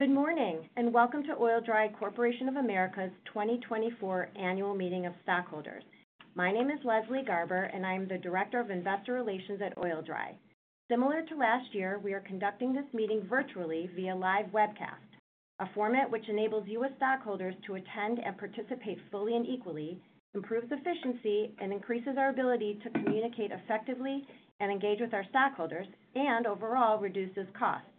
Good morning and welcome to Oil-Dri Corporation of America's 2024 Annual Meeting of Stakeholders. My name is Leslie Garber, and I am the Director of Investor Relations at Oil-Dri. Similar to last year, we are conducting this meeting virtually via live webcast, a format which enables U.S. stakeholders to attend and participate fully and equally, improves efficiency, and increases our ability to communicate effectively and engage with our stakeholders, and overall reduces costs.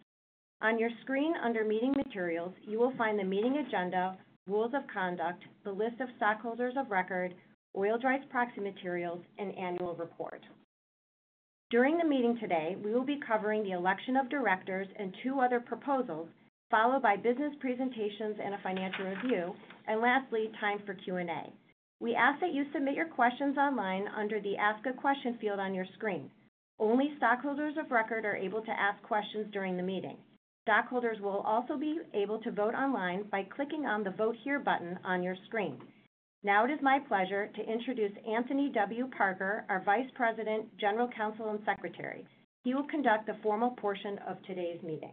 On your screen under Meeting Materials, you will find the meeting agenda, rules of conduct, the list of stakeholders of record, Oil-Dri's proxy materials, and annual report. During the meeting today, we will be covering the election of directors and two other proposals, followed by business presentations and a financial review, and lastly, time for Q&A. We ask that you submit your questions online under the Ask a Question field on your screen. Only stakeholders of record are able to ask questions during the meeting. Stakeholders will also be able to vote online by clicking on the Vote Here button on your screen. Now it is my pleasure to introduce Anthony W. Parker, our Vice President, General Counsel, and Secretary. He will conduct the formal portion of today's meeting.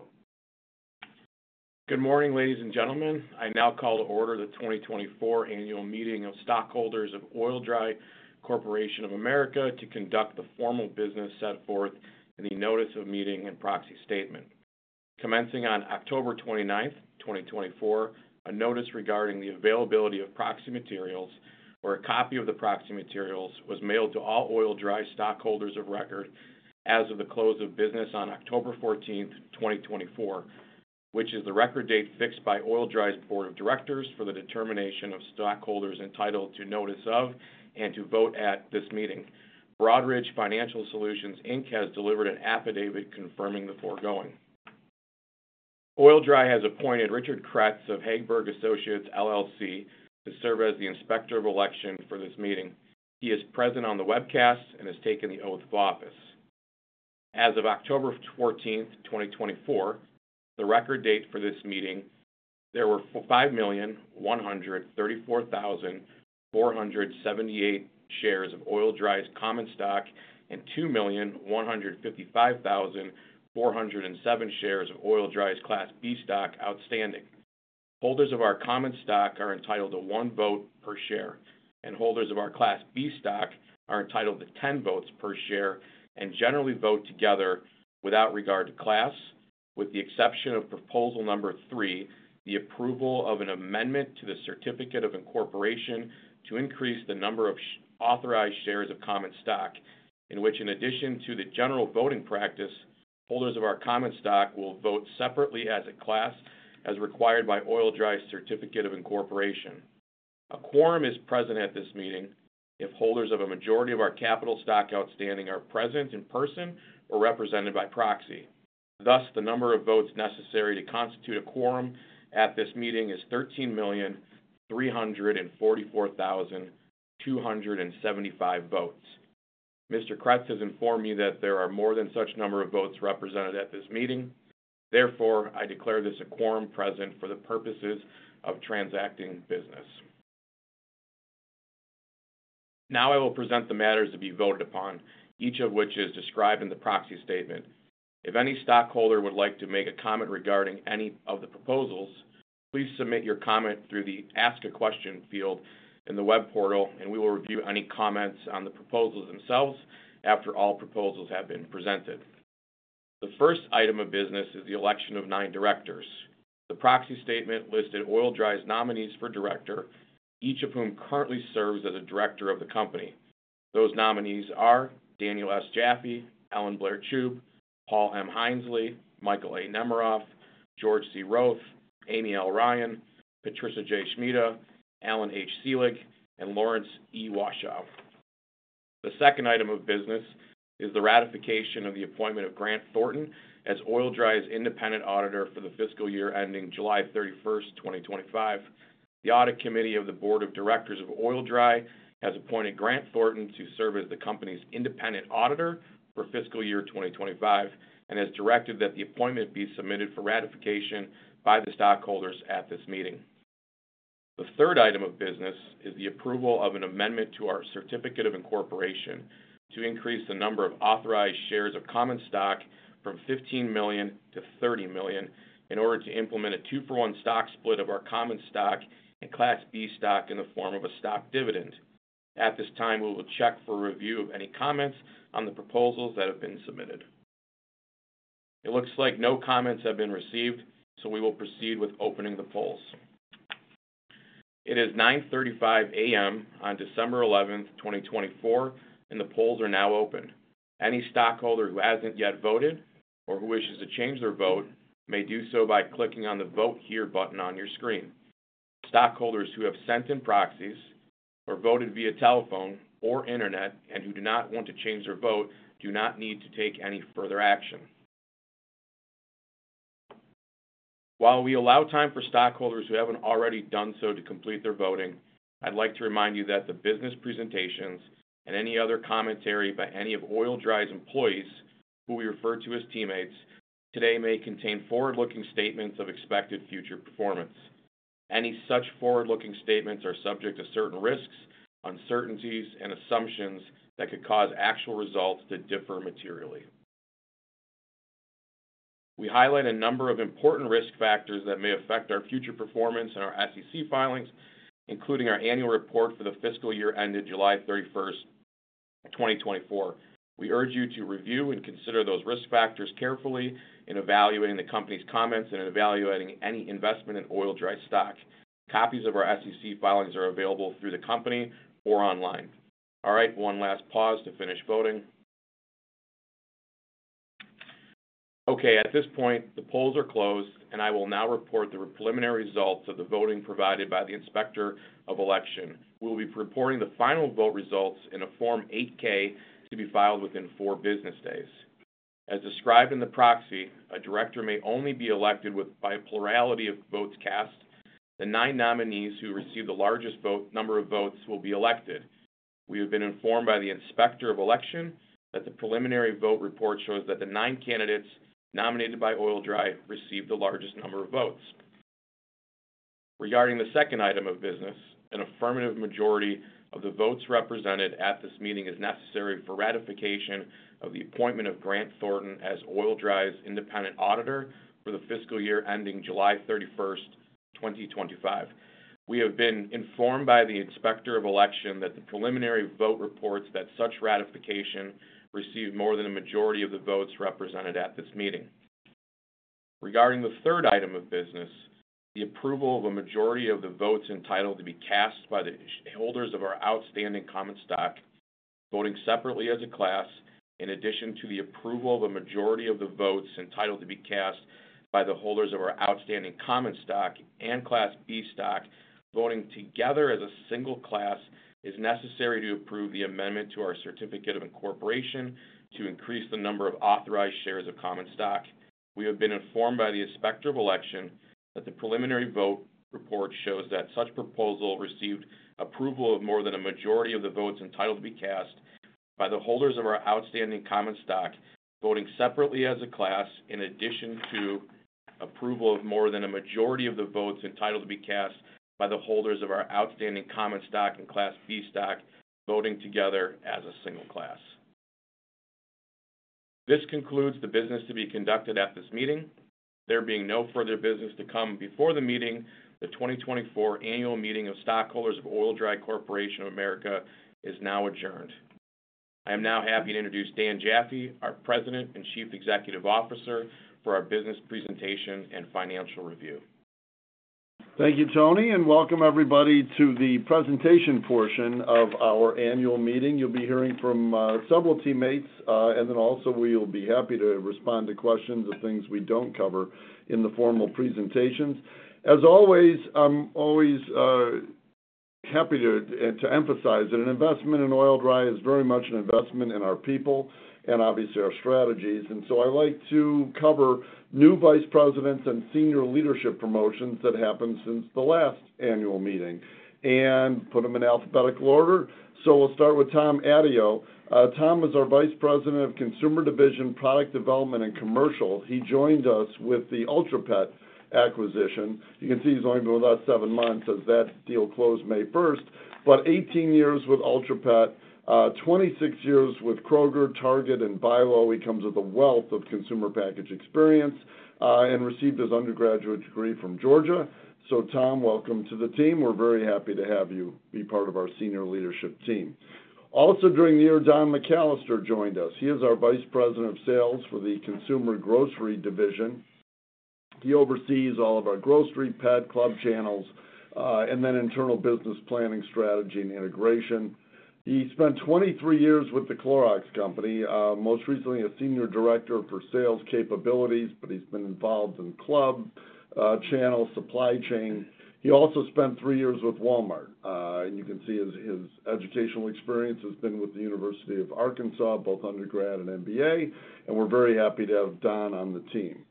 Good morning, ladies and gentlemen. I now call to order the 2024 Annual Meeting of Stakeholders of Oil-Dri Corporation of America to conduct the formal business set forth in the Notice of Meeting and Proxy Statement. Commencing on October 29, 2024, a notice regarding the availability of proxy materials or a copy of the proxy materials was mailed to all Oil-Dri stakeholders of record as of the close of business on October 14, 2024, which is the record date fixed by Oil-Dri's Board of Directors for the determination of stakeholders entitled to notice of and to vote at this meeting. Broadridge Financial Solutions, Inc. has delivered an affidavit confirming the foregoing. Oil-Dri has appointed Richard Kratz of Hagberg & Associates, LLC to serve as the Inspector of Election for this meeting. He is present on the webcast and has taken the oath of office. As of October 14, 2024, the record date for this meeting, there were 5,134,478 shares of Oil-Dri's common stock and 2,155,407 shares of Oil-Dri's Class B stock outstanding. Holders of our common stock are entitled to one vote per share, and holders of our Class B stock are entitled to ten votes per share and generally vote together without regard to class, with the exception of proposal number three, the approval of an amendment to the certificate of incorporation to increase the number of authorized shares of common stock, in which, in addition to the general voting practice, holders of our common stock will vote separately as a class as required by Oil-Dri's certificate of incorporation. A quorum is present at this meeting if holders of a majority of our capital stock outstanding are present in person or represented by proxy. Thus, the number of votes necessary to constitute a quorum at this meeting is 13,344,275 votes. Mr. Kratz has informed me that there are more than such number of votes represented at this meeting. Therefore, I declare this a quorum present for the purposes of transacting business. Now I will present the matters to be voted upon, each of which is described in the proxy statement. If any stakeholder would like to make a comment regarding any of the proposals, please submit your comment through the Ask a Question field in the web portal, and we will review any comments on the proposals themselves after all proposals have been presented. The first item of business is the election of nine directors. The proxy statement listed Oil-Dri's nominees for director, each of whom currently serves as a director of the company. Those nominees are Daniel S. Jaffee, Ellen-Blair Chube, Paul M. Heinzel, Michael A. Nemeroff, George C. Roeth, Amy L. Ryan, Patricia J. Schmida, Allan H. Selig, and Lawrence E. Washow. The second item of business is the ratification of the appointment of Grant Thornton as Oil-Dri's independent auditor for the fiscal year ending July 31, 2025. The audit committee of the Board of Directors of Oil-Dri has appointed Grant Thornton to serve as the company's independent auditor for fiscal year 2025 and has directed that the appointment be submitted for ratification by the stakeholders at this meeting. The third item of business is the approval of an amendment to our certificate of incorporation to increase the number of authorized shares of common stock from 15 million to 30 million in order to implement a two-for-one stock split of our common stock and Class B stock in the form of a stock dividend. At this time, we will check for review of any comments on the proposals that have been submitted. It looks like no comments have been received, so we will proceed with opening the polls. It is 9:35 A.M. on December 11, 2024, and the polls are now open. Any stakeholder who hasn't yet voted or who wishes to change their vote may do so by clicking on the Vote Here button on your screen. Stakeholders who have sent in proxies or voted via telephone or internet and who do not want to change their vote do not need to take any further action. While we allow time for stakeholders who haven't already done so to complete their voting, I'd like to remind you that the business presentations and any other commentary by any of Oil-Dri's employees, who we refer to as teammates, today may contain forward-looking statements of expected future performance. Any such forward-looking statements are subject to certain risks, uncertainties, and assumptions that could cause actual results to differ materially. We highlight a number of important risk factors that may affect our future performance and our SEC filings, including our annual report for the fiscal year ended July 31, 2024. We urge you to review and consider those risk factors carefully in evaluating the company's comments and in evaluating any investment in Oil-Dri stock. Copies of our SEC filings are available through the company or online. All right, one last pause to finish voting. Okay, at this point, the polls are closed, and I will now report the preliminary results of the voting provided by the Inspector of Election. We will be reporting the final vote results in a Form 8-K to be filed within four business days. As described in the proxy, a director may only be elected by a plurality of votes cast. The nine nominees who receive the largest number of votes will be elected. We have been informed by the Inspector of Election that the preliminary vote report shows that the nine candidates nominated by Oil-Dri received the largest number of votes. Regarding the second item of business, an affirmative majority of the votes represented at this meeting is necessary for ratification of the appointment of Grant Thornton as Oil-Dri's independent auditor for the fiscal year ending July 31, 2025. We have been informed by the Inspector of Election that the preliminary vote reports that such ratification received more than a majority of the votes represented at this meeting. Regarding the third item of business, the approval of a majority of the votes entitled to be cast by the holders of our outstanding Common Stock, voting separately as a class, in addition to the approval of a majority of the votes entitled to be cast by the holders of our outstanding Common Stock and Class B Stock voting together as a single class, is necessary to approve the amendment to our certificate of incorporation to increase the number of authorized shares of Common Stock. We have been informed by the Inspector of Election that the preliminary vote report shows that such proposal received approval of more than a majority of the votes entitled to be cast by the holders of our outstanding Common Stock voting separately as a class, in addition to approval of more than a majority of the votes entitled to be cast by the holders of our outstanding Common Stock and Class B Stock voting together as a single class. This concludes the business to be conducted at this meeting. There being no further business to come before the meeting, the 2024 Annual Meeting of Stakeholders of Oil-Dri Corporation of America is now adjourned. I am now happy to introduce Dan Jaffee, our President and Chief Executive Officer, for our business presentation and financial review. Thank you, Tony, and welcome everybody to the presentation portion of our annual meeting. You'll be hearing from several teammates, and then also we will be happy to respond to questions of things we don't cover in the formal presentations. As always, I'm always happy to emphasize that an investment in Oil-Dri is very much an investment in our people and obviously our strategies. And so I like to cover new vice presidents and senior leadership promotions that happened since the last annual meeting and put them in alphabetical order. So we'll start with Tom Atyeo. Tom is our Vice President of Consumer Division, Product Development, and Commercial. He joined us with the Ultra Pet acquisition. You can see he's only been with us seven months as that deal closed May 1st. But 18 years with Ultra Pet, 26 years with Kroger, Target, and BI-LO. He comes with a wealth of consumer package experience and received his undergraduate degree from Georgia. So Tom, welcome to the team. We're very happy to have you be part of our senior leadership team. Also during the year, Don McAllister joined us. He is our Vice President of Sales for the Consumer Grocery Division. He oversees all of our grocery, pet club channels, and then internal business planning, strategy, and integration. He spent 23 years with the Clorox Company, most recently a senior director for sales capabilities, but he's been involved in club channel supply chain. He also spent three years with Walmart. And you can see his educational experience has been with the University of Arkansas, both undergrad and MBA. And we're very happy to have Don on the team.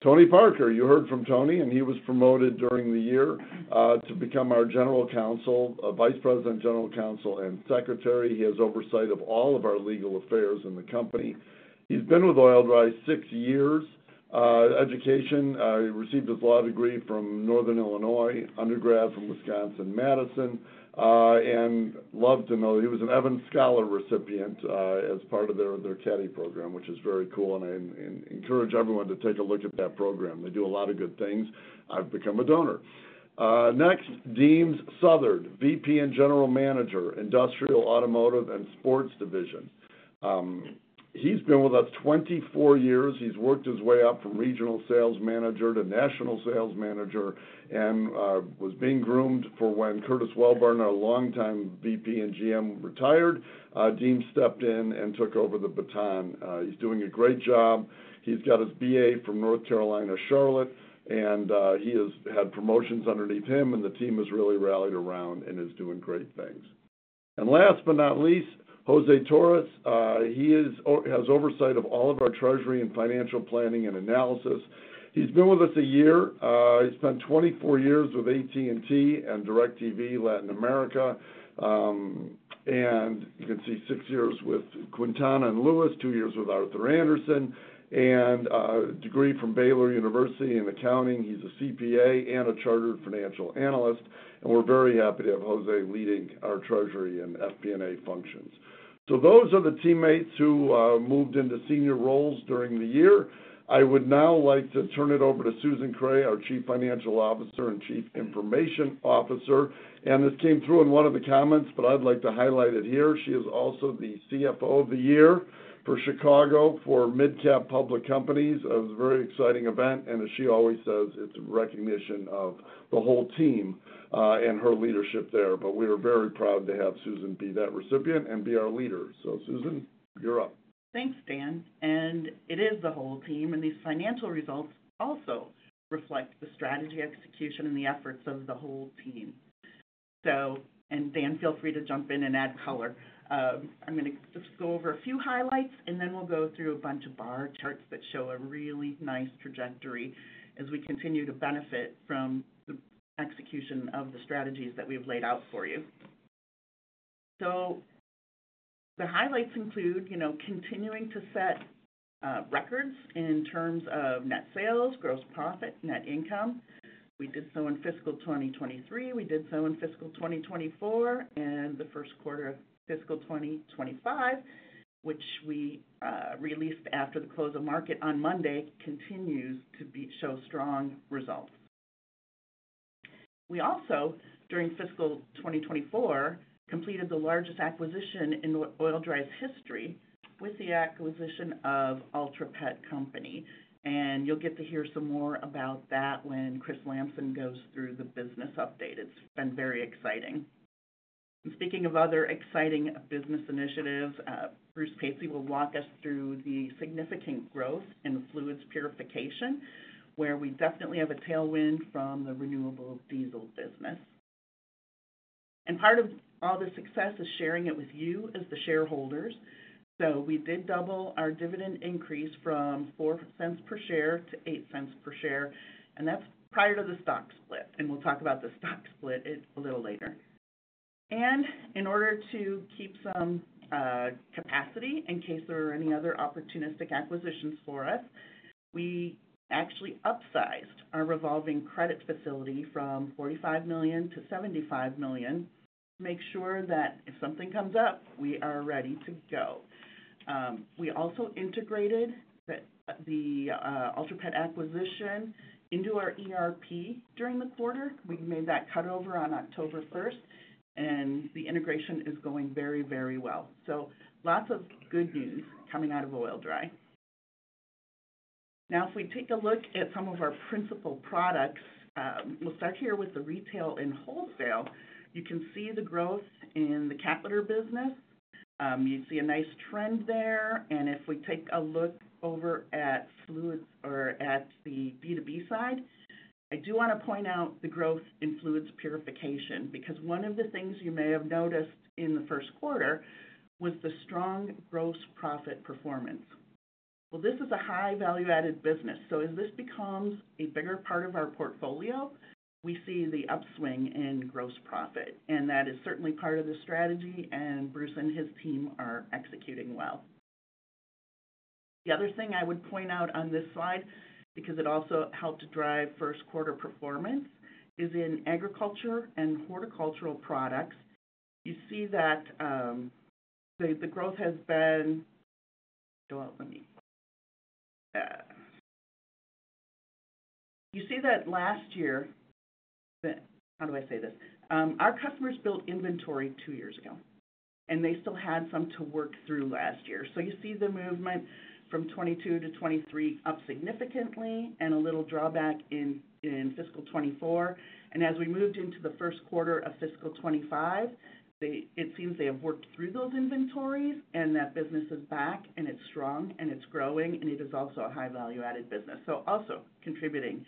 Tony Parker, you heard from Tony, and he was promoted during the year to become our General Counsel, Vice President, General Counsel, and Secretary. He has oversight of all of our legal affairs in the company. He's been with Oil-Dri six years. Education, he received his law degree from Northern Illinois, undergrad from Wisconsin-Madison, and love to know he was an Evans Scholar recipient as part of their caddie program, which is very cool, and I encourage everyone to take a look at that program. They do a lot of good things. I've become a donor. Next, Deems Southard, VP and General Manager, Industrial, Automotive, and Sports Division. He's been with us 24 years. He's worked his way up from regional sales manager to national sales manager and was being groomed for when Curtis Wellborn, our longtime VP and GM, retired. Deems stepped in and took over the baton. He's doing a great job. He's got his BA from North Carolina, Charlotte, and he has had promotions underneath him, and the team has really rallied around and is doing great things. And last but not least, José Torres. He has oversight of all of our treasury and financial planning and analysis. He's been with us a year. He spent 24 years with AT&T and DirecTV Latin America. And you can see six years with Quintana and Lewis, two years with Arthur Andersen, and a degree from Baylor University in accounting. He's a CPA and a chartered financial analyst. And we're very happy to have José leading our treasury and FP&A functions. So those are the teammates who moved into senior roles during the year. I would now like to turn it over to Susan Kreh, our Chief Financial Officer and Chief Information Officer. This came through in one of the comments, but I'd like to highlight it here. She is also the CFO of the year for Chicago for Midcap Public Companies. It was a very exciting event. And as she always says, it's a recognition of the whole team and her leadership there. We are very proud to have Susan be that recipient and be our leader. Susan, you're up. Thanks, Dan. And it is the whole team. And these financial results also reflect the strategy execution and the efforts of the whole team. So, and Dan, feel free to jump in and add color. I'm going to just go over a few highlights, and then we'll go through a bunch of bar charts that show a really nice trajectory as we continue to benefit from the execution of the strategies that we've laid out for you. So the highlights include, you know, continuing to set records in terms of net sales, gross profit, net income. We did so in fiscal 2023. We did so in fiscal 2024. And the first quarter of fiscal 2025, which we released after the close of market on Monday, continues to show strong results. We also, during fiscal 2024, completed the largest acquisition in Oil-Dri's history with the acquisition of Ultra Pet Company. You'll get to hear some more about that when Chris Lamson goes through the business update. It's been very exciting. Speaking of other exciting business initiatives, Bruce Pasley will walk us through the significant growth in fluids purification, where we definitely have a tailwind from the renewable diesel business. Part of all the success is sharing it with you as the shareholders. We did double our dividend increase from $0.04 per share-$0.08 per share. That's prior to the stock split. We'll talk about the stock split a little later. In order to keep some capacity in case there are any other opportunistic acquisitions for us, we actually upsized our revolving credit facility from $45 million-$75 million to make sure that if something comes up, we are ready to go. We also integrated the Ultra Pet acquisition into our ERP during the quarter. We made that cut over on October 1st. And the integration is going very, very well. So lots of good news coming out of Oil-Dri. Now, if we take a look at some of our principal products, we'll start here with the retail and wholesale. You can see the growth in the cat litter business. You see a nice trend there. And if we take a look over at fluids or at the B2B side, I do want to point out the growth in fluids purification because one of the things you may have noticed in the first quarter was the strong gross profit performance. Well, this is a high value-added business. So as this becomes a bigger part of our portfolio, we see the upswing in gross profit. And that is certainly part of the strategy. Bruce and his team are executing well. The other thing I would point out on this slide, because it also helped to drive first quarter performance, is in agriculture and horticultural products. You see that the growth has been. Well, let me. You see that last year, how do I say this? Our customers built inventory two years ago, and they still had some to work through last year. So you see the movement from 2022 to 2023 up significantly and a little drawback in fiscal 2024. And as we moved into the first quarter of fiscal 2025, it seems they have worked through those inventories and that business is back and it's strong and it's growing and it is also a high value-added business. So also contributing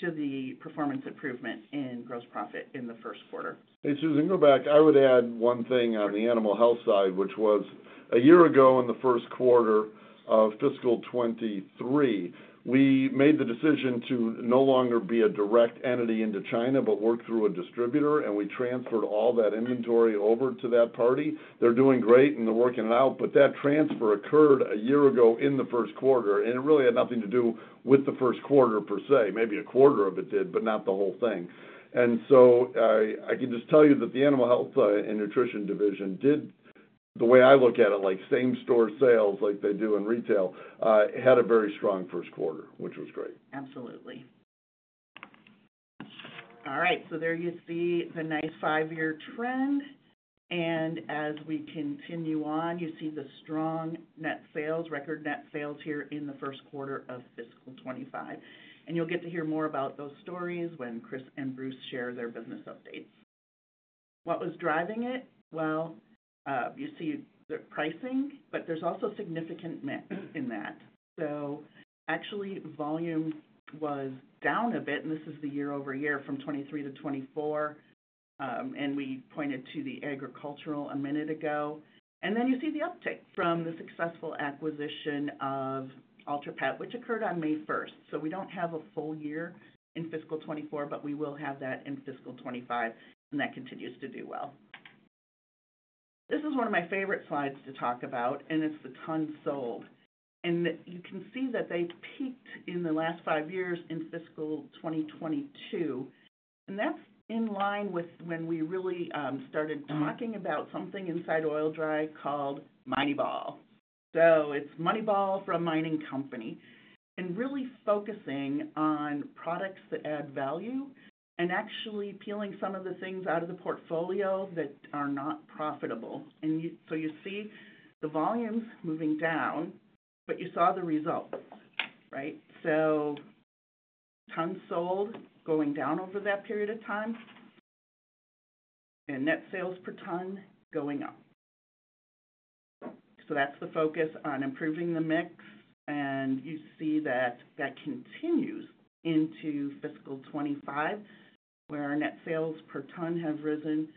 to the performance improvement in gross profit in the first quarter. Hey, Susan, go back. I would add one thing on the animal health side, which was a year ago in the first quarter of fiscal 2023, we made the decision to no longer be a direct entity into China, but work through a distributor. And we transferred all that inventory over to that party. They're doing great and they're working it out. But that transfer occurred a year ago in the first quarter. And it really had nothing to do with the first quarter per se. Maybe a quarter of it did, but not the whole thing. And so I can just tell you that the animal health and nutrition division did, the way I look at it, like same store sales like they do in retail, had a very strong first quarter, which was great. Absolutely. All right. So there you see the nice five-year trend. And as we continue on, you see the strong net sales, record net sales here in the first quarter of fiscal 2025. And you'll get to hear more about those stories when Chris and Bruce share their business updates. What was driving it? Well, you see the pricing, but there's also significant mix in that. So actually volume was down a bit. And this is the year over year from 2023 to 2024. And we pointed to the agricultural a minute ago. And then you see the uptick from the successful acquisition of Ultra Pet, which occurred on May 1st. So we don't have a full year in fiscal 2024, but we will have that in fiscal 2025. And that continues to do well. This is one of my favorite slides to talk about, and it's the tons sold. And you can see that they peaked in the last five years in fiscal 2022. And that's in line with when we really started talking about something inside Oil-Dri called Moneyball. So it's Moneyball from Mining Company and really focusing on products that add value and actually peeling some of the things out of the portfolio that are not profitable. And so you see the volumes moving down, but you saw the results, right? So tons sold going down over that period of time and net sales per ton going up. So that's the focus on improving the mix. And you see that that continues into fiscal 2025, where our net sales per ton have risen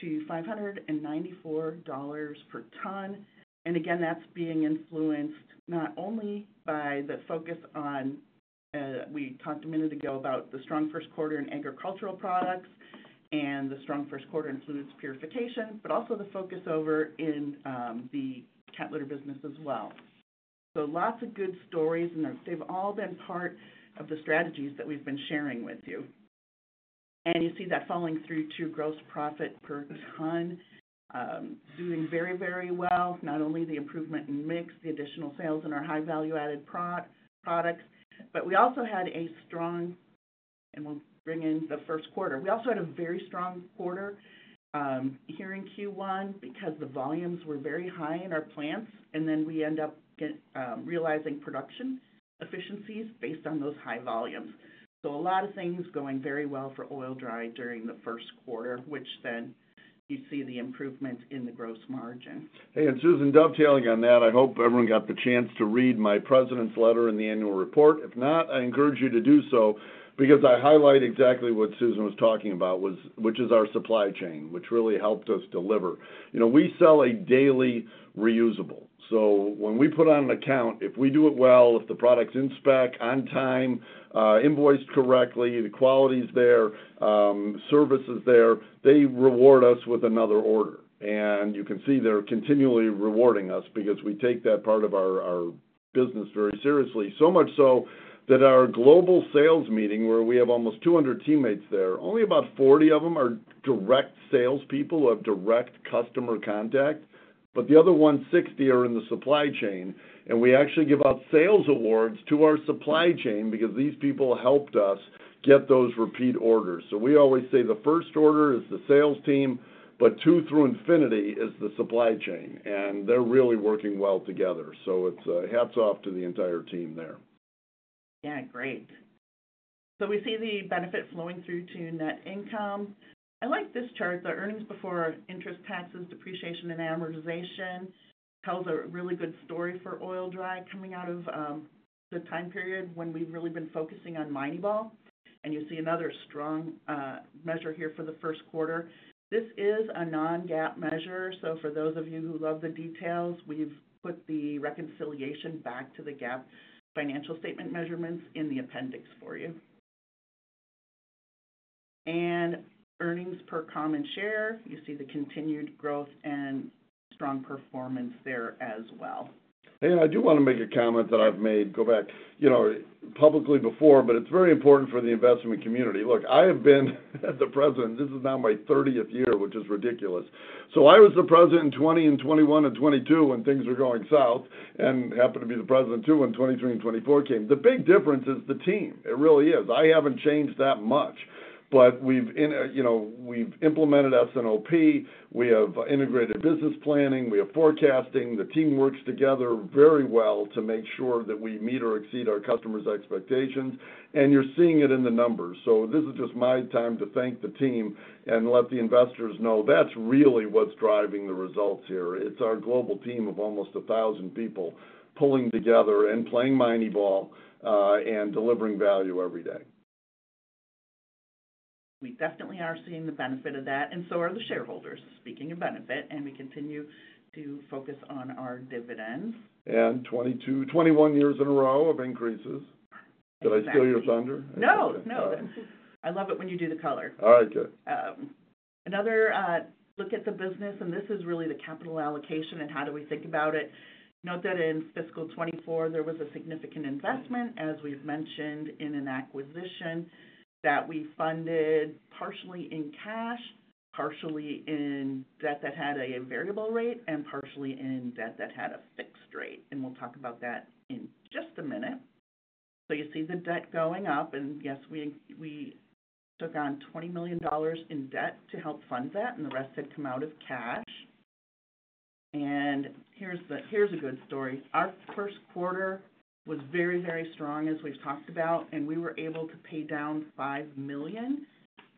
to $594 per ton. And again, that's being influenced not only by the focus on, we talked a minute ago about the strong first quarter in agricultural products and the strong first quarter in fluids purification, but also the focus over in the cat litter business as well. So lots of good stories. And they've all been part of the strategies that we've been sharing with you. And you see that flowing through to gross profit per ton, doing very, very well. Not only the improvement in mix, the additional sales in our high value-added products, but we also had a strong, and we'll bring in the first quarter. We also had a very strong quarter here in Q1 because the volumes were very high in our plants. And then we end up realizing production efficiencies based on those high volumes. A lot of things going very well for Oil-Dri during the first quarter, which then you see the improvement in the gross margin. Hey, and Susan, dovetailing on that, I hope everyone got the chance to read my president's letter in the annual report. If not, I encourage you to do so because I highlight exactly what Susan was talking about, which is our supply chain, which really helped us deliver. We sell a daily reusable. So when we put on an account, if we do it well, if the product's in spec on time, invoiced correctly, the quality's there, service is there, they reward us with another order. And you can see they're continually rewarding us because we take that part of our business very seriously. So much so that our global sales meeting, where we have almost 200 teammates there, only about 40 of them are direct salespeople who have direct customer contact. But the other 160 are in the supply chain. And we actually give out sales awards to our supply chain because these people helped us get those repeat orders. So we always say the first order is the sales team, but two through infinity is the supply chain. And they're really working well together. So it's hats off to the entire team there. Yeah, great. So we see the benefit flowing through to net income. I like this chart. The earnings before interest, taxes, depreciation, and amortization tells a really good story for Oil-Dri coming out of the time period when we've really been focusing on Moneyball. And you see another strong measure here for the first quarter. This is a non-GAAP measure. So for those of you who love the details, we've put the reconciliation back to the GAAP financial statement measurements in the appendix for you. And earnings per common share, you see the continued growth and strong performance there as well. Hey, I do want to make a comment that I've made publicly before, but it's very important for the investment community. Look, I have been the President, this is now my 30th year, which is ridiculous. So I was the President in 2020 and 2021 and 2022 when things were going south and happened to be the President too when 2023 and 2024 came. The big difference is the team. It really is. I haven't changed that much. But we've implemented S&OP. We have integrated business planning. We have forecasting. The team works together very well to make sure that we meet or exceed our customers' expectations. And you're seeing it in the numbers. So this is just my time to thank the team and let the investors know that's really what's driving the results here. It's our global team of almost 1,000 people pulling together and playing Moneyball and delivering value every day. We definitely are seeing the benefit of that, and so are the shareholders, speaking of benefit, and we continue to focus on our dividends. And 22, 21 years in a row of increases. Did I steal your thunder? No, no. I love it when you do the color. All right, good. Another look at the business, and this is really the capital allocation and how do we think about it. Note that in fiscal 2024, there was a significant investment, as we've mentioned, in an acquisition that we funded partially in cash, partially in debt that had a variable rate, and partially in debt that had a fixed rate. And we'll talk about that in just a minute. So you see the debt going up. And yes, we took on $20 million in debt to help fund that. And the rest had come out of cash. And here's a good story. Our first quarter was very, very strong, as we've talked about. And we were able to pay down $5 million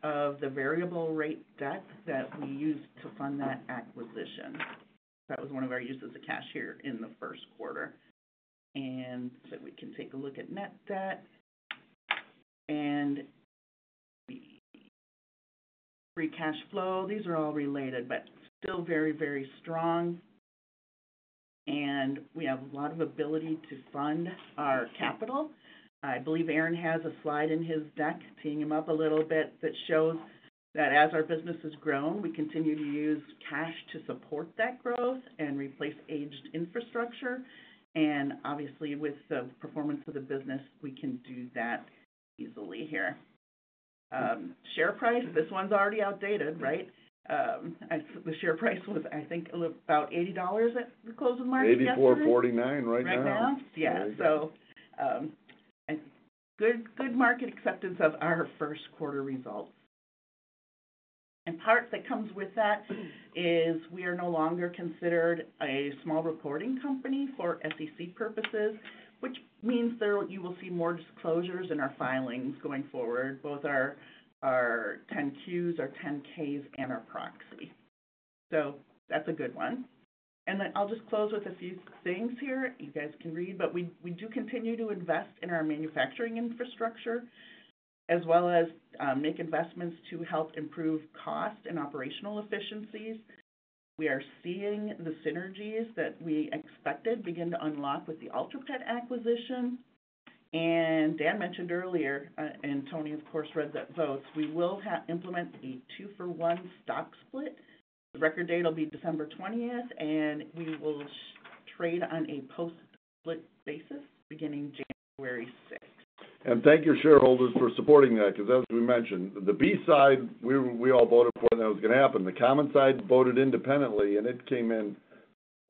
of the variable rate debt that we used to fund that acquisition. That was one of our uses of cash here in the first quarter. And so we can take a look at net debt and free cash flow. These are all related, but still very, very strong. And we have a lot of ability to fund our capital. I believe Aaron has a slide in his deck, teeing him up a little bit, that shows that as our business has grown, we continue to use cash to support that growth and replace aged infrastructure. And obviously, with the performance of the business, we can do that easily here. Share price, this one's already outdated, right? The share price was, I think, about $80 at the close of March. Maybe $4.49 right now. Right now, yeah. Good market acceptance of our first quarter results. Part of that is we are no longer considered a small reporting company for SEC purposes, which means you will see more disclosures in our filings going forward, both our 10Qs, our 10Ks, and our proxy. That's a good one. Then I'll just close with a few things here. You guys can read. We do continue to invest in our manufacturing infrastructure as well as make investments to help improve cost and operational efficiencies. We are seeing the synergies that we expected begin to unlock with the Ultra Pet acquisition. Dan mentioned earlier, and Tony, of course, read that vote. We will implement a two-for-one stock split. The record date will be December 20th. We will trade on a post-split basis beginning January 6th. And thank your shareholders for supporting that because, as we mentioned, the B side, we all voted for that it was going to happen. The common side voted independently, and it came in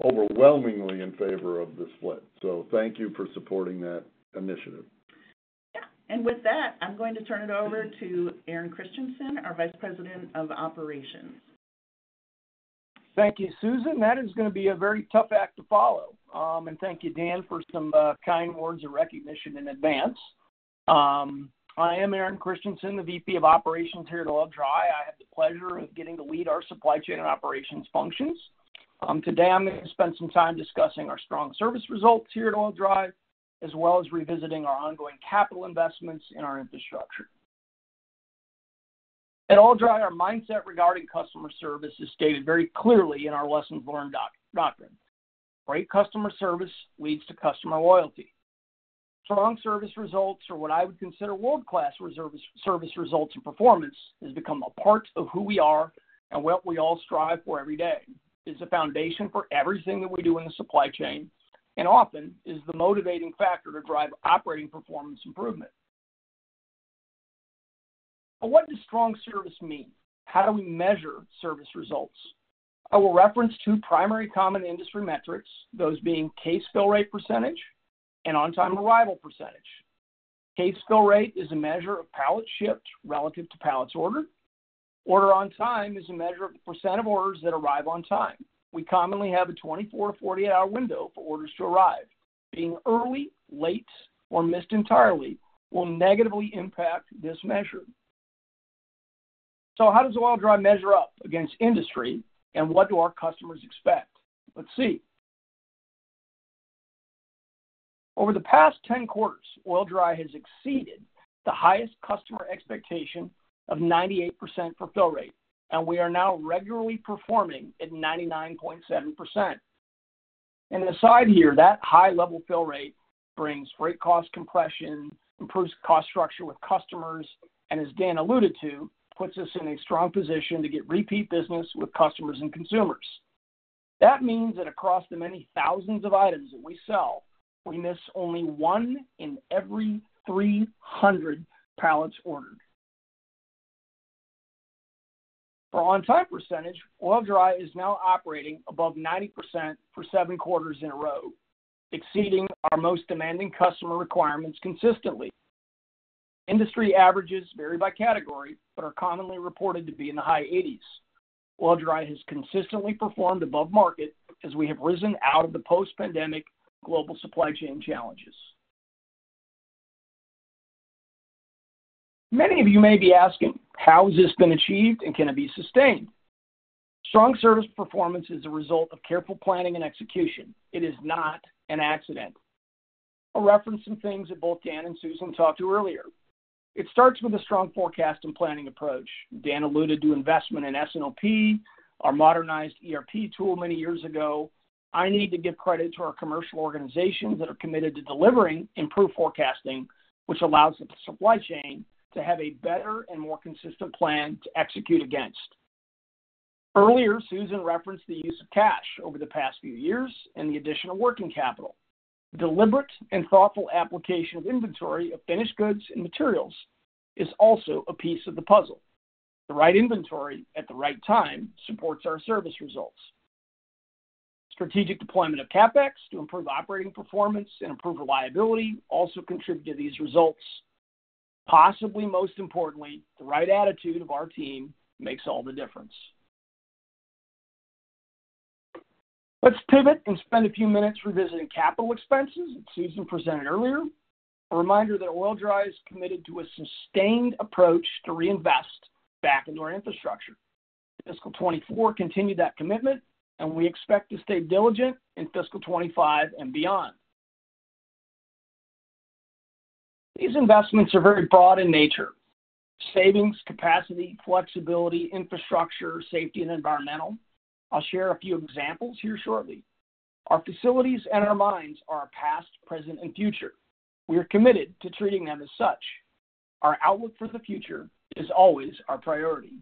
overwhelmingly in favor of the split. So thank you for supporting that initiative. Yeah. And with that, I'm going to turn it over to Aaron Christiansen, our Vice President of Operations. Thank you, Susan. That is going to be a very tough act to follow. And thank you, Dan, for some kind words of recognition in advance. I am Aaron Christiansen, the VP of operations here at Oil-Dri. I have the pleasure of getting to lead our supply chain and operations functions. Today, I'm going to spend some time discussing our strong service results here at Oil-Dri, as well as revisiting our ongoing capital investments in our infrastructure. At Oil-Dri, our mindset regarding customer service is stated very clearly in our lessons learned doctrine. Great customer service leads to customer loyalty. Strong service results, or what I would consider world-class service results and performance, has become a part of who we are and what we all strive for every day. It's a foundation for everything that we do in the supply chain and often is the motivating factor to drive operating performance improvement. But what does strong service mean? How do we measure service results? I will reference two primary common industry metrics, those being case fill rate percentage and on-time arrival percentage. Case fill rate is a measure of pallet shipped relative to pallets ordered. On-time arrival is a measure of the percent of orders that arrive on time. We commonly have a 24 to 48-hour window for orders to arrive. Being early, late, or missed entirely will negatively impact this measure. So how does Oil-Dri measure up against industry? And what do our customers expect? Let's see. Over the past 10 quarters, Oil-Dri has exceeded the highest customer expectation of 98% for fill rate. And we are now regularly performing at 99.7%. Aside here, that high-level fill rate brings freight cost compression, improves cost structure with customers, and as Dan alluded to, puts us in a strong position to get repeat business with customers and consumers. That means that across the many thousands of items that we sell, we miss only one in every 300 pallets ordered. For on-time percentage, Oil-Dri is now operating above 90% for seven quarters in a row, exceeding our most demanding customer requirements consistently. Industry averages vary by category, but are commonly reported to be in the high 80s. Oil-Dri has consistently performed above market as we have risen out of the post-pandemic global supply chain challenges. Many of you may be asking, how has this been achieved, and can it be sustained? Strong service performance is a result of careful planning and execution. It is not an accident. I'll reference some things that both Dan and Susan talked to earlier. It starts with a strong forecast and planning approach. Dan alluded to investment in S&OP, our modernized ERP tool many years ago. I need to give credit to our commercial organizations that are committed to delivering improved forecasting, which allows the supply chain to have a better and more consistent plan to execute against. Earlier, Susan referenced the use of cash over the past few years and the addition of working capital. Deliberate and thoughtful application of inventory of finished goods and materials is also a piece of the puzzle. The right inventory at the right time supports our service results. Strategic deployment of CapEx to improve operating performance and improve reliability also contribute to these results. Possibly most importantly, the right attitude of our team makes all the difference. Let's pivot and spend a few minutes revisiting capital expenditures that Susan presented earlier. A reminder that Oil-Dri is committed to a sustained approach to reinvest back into our infrastructure. Fiscal 2024 continued that commitment, and we expect to stay diligent in fiscal 2025 and beyond. These investments are very broad in nature: savings, capacity, flexibility, infrastructure, safety, and environmental. I'll share a few examples here shortly. Our facilities and our mines are our past, present, and future. We are committed to treating them as such. Our outlook for the future is always our priority.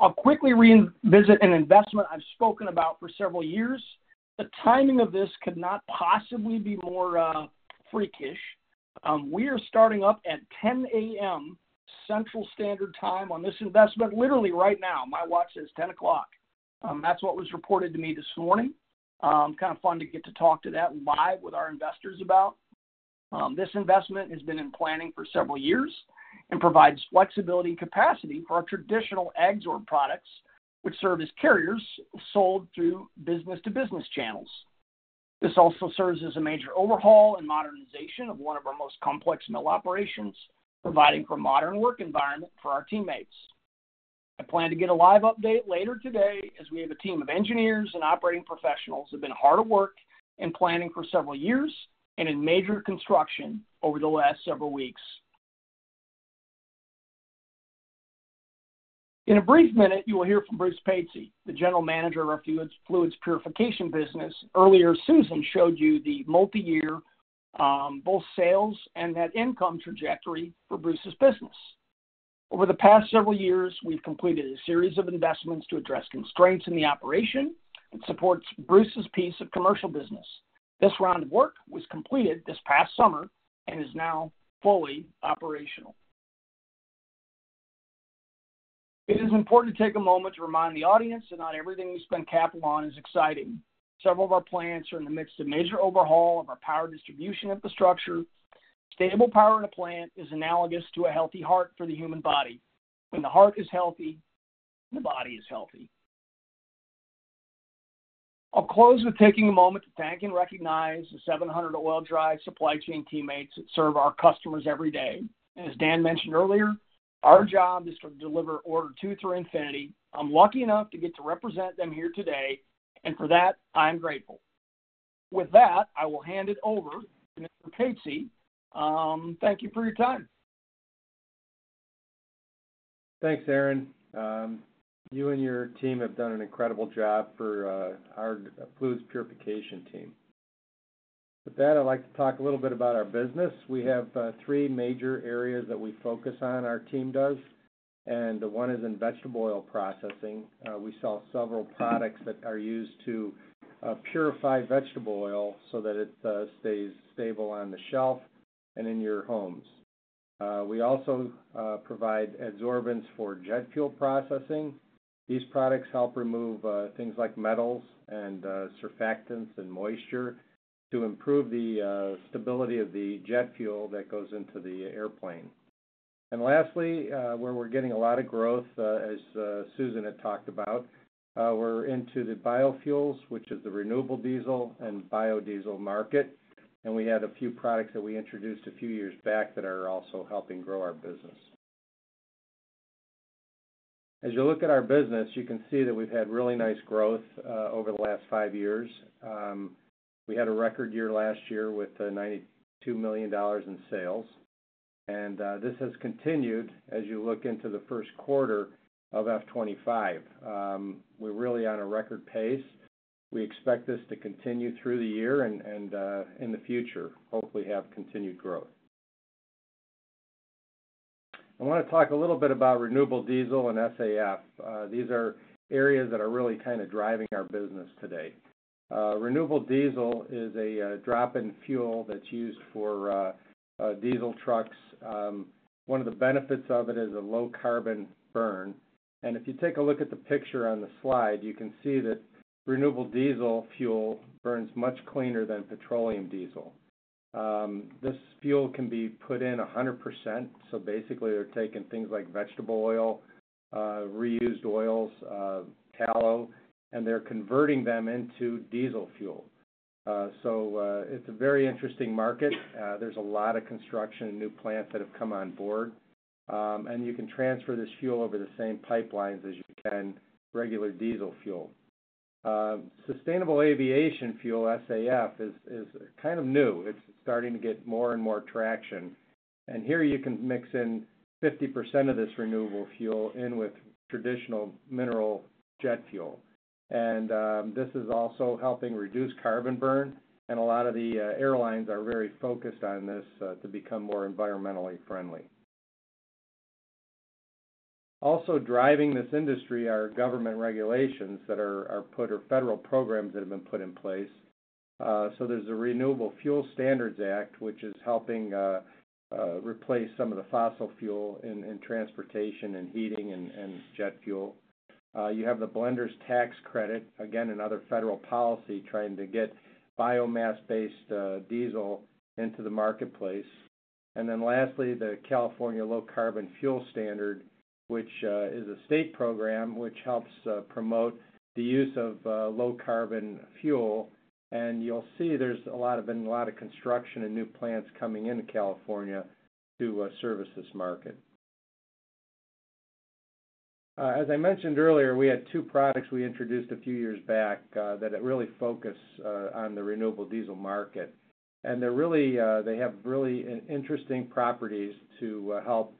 I'll quickly revisit an investment I've spoken about for several years. The timing of this could not possibly be more freakish. We are starting up at 10:00 A.M. Central Standard Time on this investment literally right now. My watch says 10 o'clock. That's what was reported to me this morning. Kind of fun to get to talk to that live with our investors about. This investment has been in planning for several years and provides flexibility and capacity for our traditional absorbent products, which serve as carriers sold through business-to-business channels. This also serves as a major overhaul and modernization of one of our most complex mill operations, providing for a modern work environment for our teammates. I plan to get a live update later today as we have a team of engineers and operating professionals who have been hard at work and planning for several years and in major construction over the last several weeks. In a brief minute, you will hear from Bruce Pasley, the general manager of our fluids purification business. Earlier, Susan showed you the multi-year both sales and net income trajectory for Bruce's business. Over the past several years, we've completed a series of investments to address constraints in the operation that supports Bruce's piece of commercial business. This round of work was completed this past summer and is now fully operational. It is important to take a moment to remind the audience that not everything we spend capital on is exciting. Several of our plants are in the midst of major overhaul of our power distribution infrastructure. Stable power in a plant is analogous to a healthy heart for the human body. When the heart is healthy, the body is healthy. I'll close with taking a moment to thank and recognize the 700 Oil-Dri supply chain teammates that serve our customers every day. As Dan mentioned earlier, our job is to deliver order two through infinity. I'm lucky enough to get to represent them here today, and for that, I'm grateful. With that, I will hand it over to Mr. Pasley. Thank you for your time. Thanks, Aaron. You and your team have done an incredible job for our fluids purification team. With that, I'd like to talk a little bit about our business. We have three major areas that we focus on, our team does, and one is in vegetable oil processing. We sell several products that are used to purify vegetable oil so that it stays stable on the shelf and in your homes. We also provide adsorbents for jet fuel processing. These products help remove things like metals and surfactants and moisture to improve the stability of the jet fuel that goes into the airplane, and lastly, where we're getting a lot of growth, as Susan had talked about, we're into the biofuels, which is the renewable diesel and biodiesel market, and we had a few products that we introduced a few years back that are also helping grow our business. As you look at our business, you can see that we've had really nice growth over the last five years. We had a record year last year with $92 million in sales. And this has continued as you look into the first quarter of F25. We're really on a record pace. We expect this to continue through the year and in the future, hopefully have continued growth. I want to talk a little bit about renewable diesel and SAF. These are areas that are really kind of driving our business today. Renewable diesel is a drop-in fuel that's used for diesel trucks. One of the benefits of it is a low carbon burn. And if you take a look at the picture on the slide, you can see that renewable diesel fuel burns much cleaner than petroleum diesel. This fuel can be put in 100%. So basically, they're taking things like vegetable oil, reused oils, tallow, and they're converting them into diesel fuel. So it's a very interesting market. There's a lot of construction and new plants that have come on board. And you can transfer this fuel over the same pipelines as you can regular diesel fuel. Sustainable aviation fuel, SAF, is kind of new. It's starting to get more and more traction. And here you can mix in 50% of this renewable fuel in with traditional mineral jet fuel. And this is also helping reduce carbon burn. And a lot of the airlines are very focused on this to become more environmentally friendly. Also driving this industry are government regulations that are put or federal programs that have been put in place. So there's the Renewable Fuel Standard, which is helping replace some of the fossil fuel in transportation and heating and jet fuel. You have the Blenders Tax Credit, again, another federal policy trying to get biomass-based diesel into the marketplace. And then lastly, the California Low Carbon Fuel Standard, which is a state program which helps promote the use of low carbon fuel. And you'll see there's a lot of construction and new plants coming into California to service this market. As I mentioned earlier, we had two products we introduced a few years back that really focus on the renewable diesel market. And they have really interesting properties to help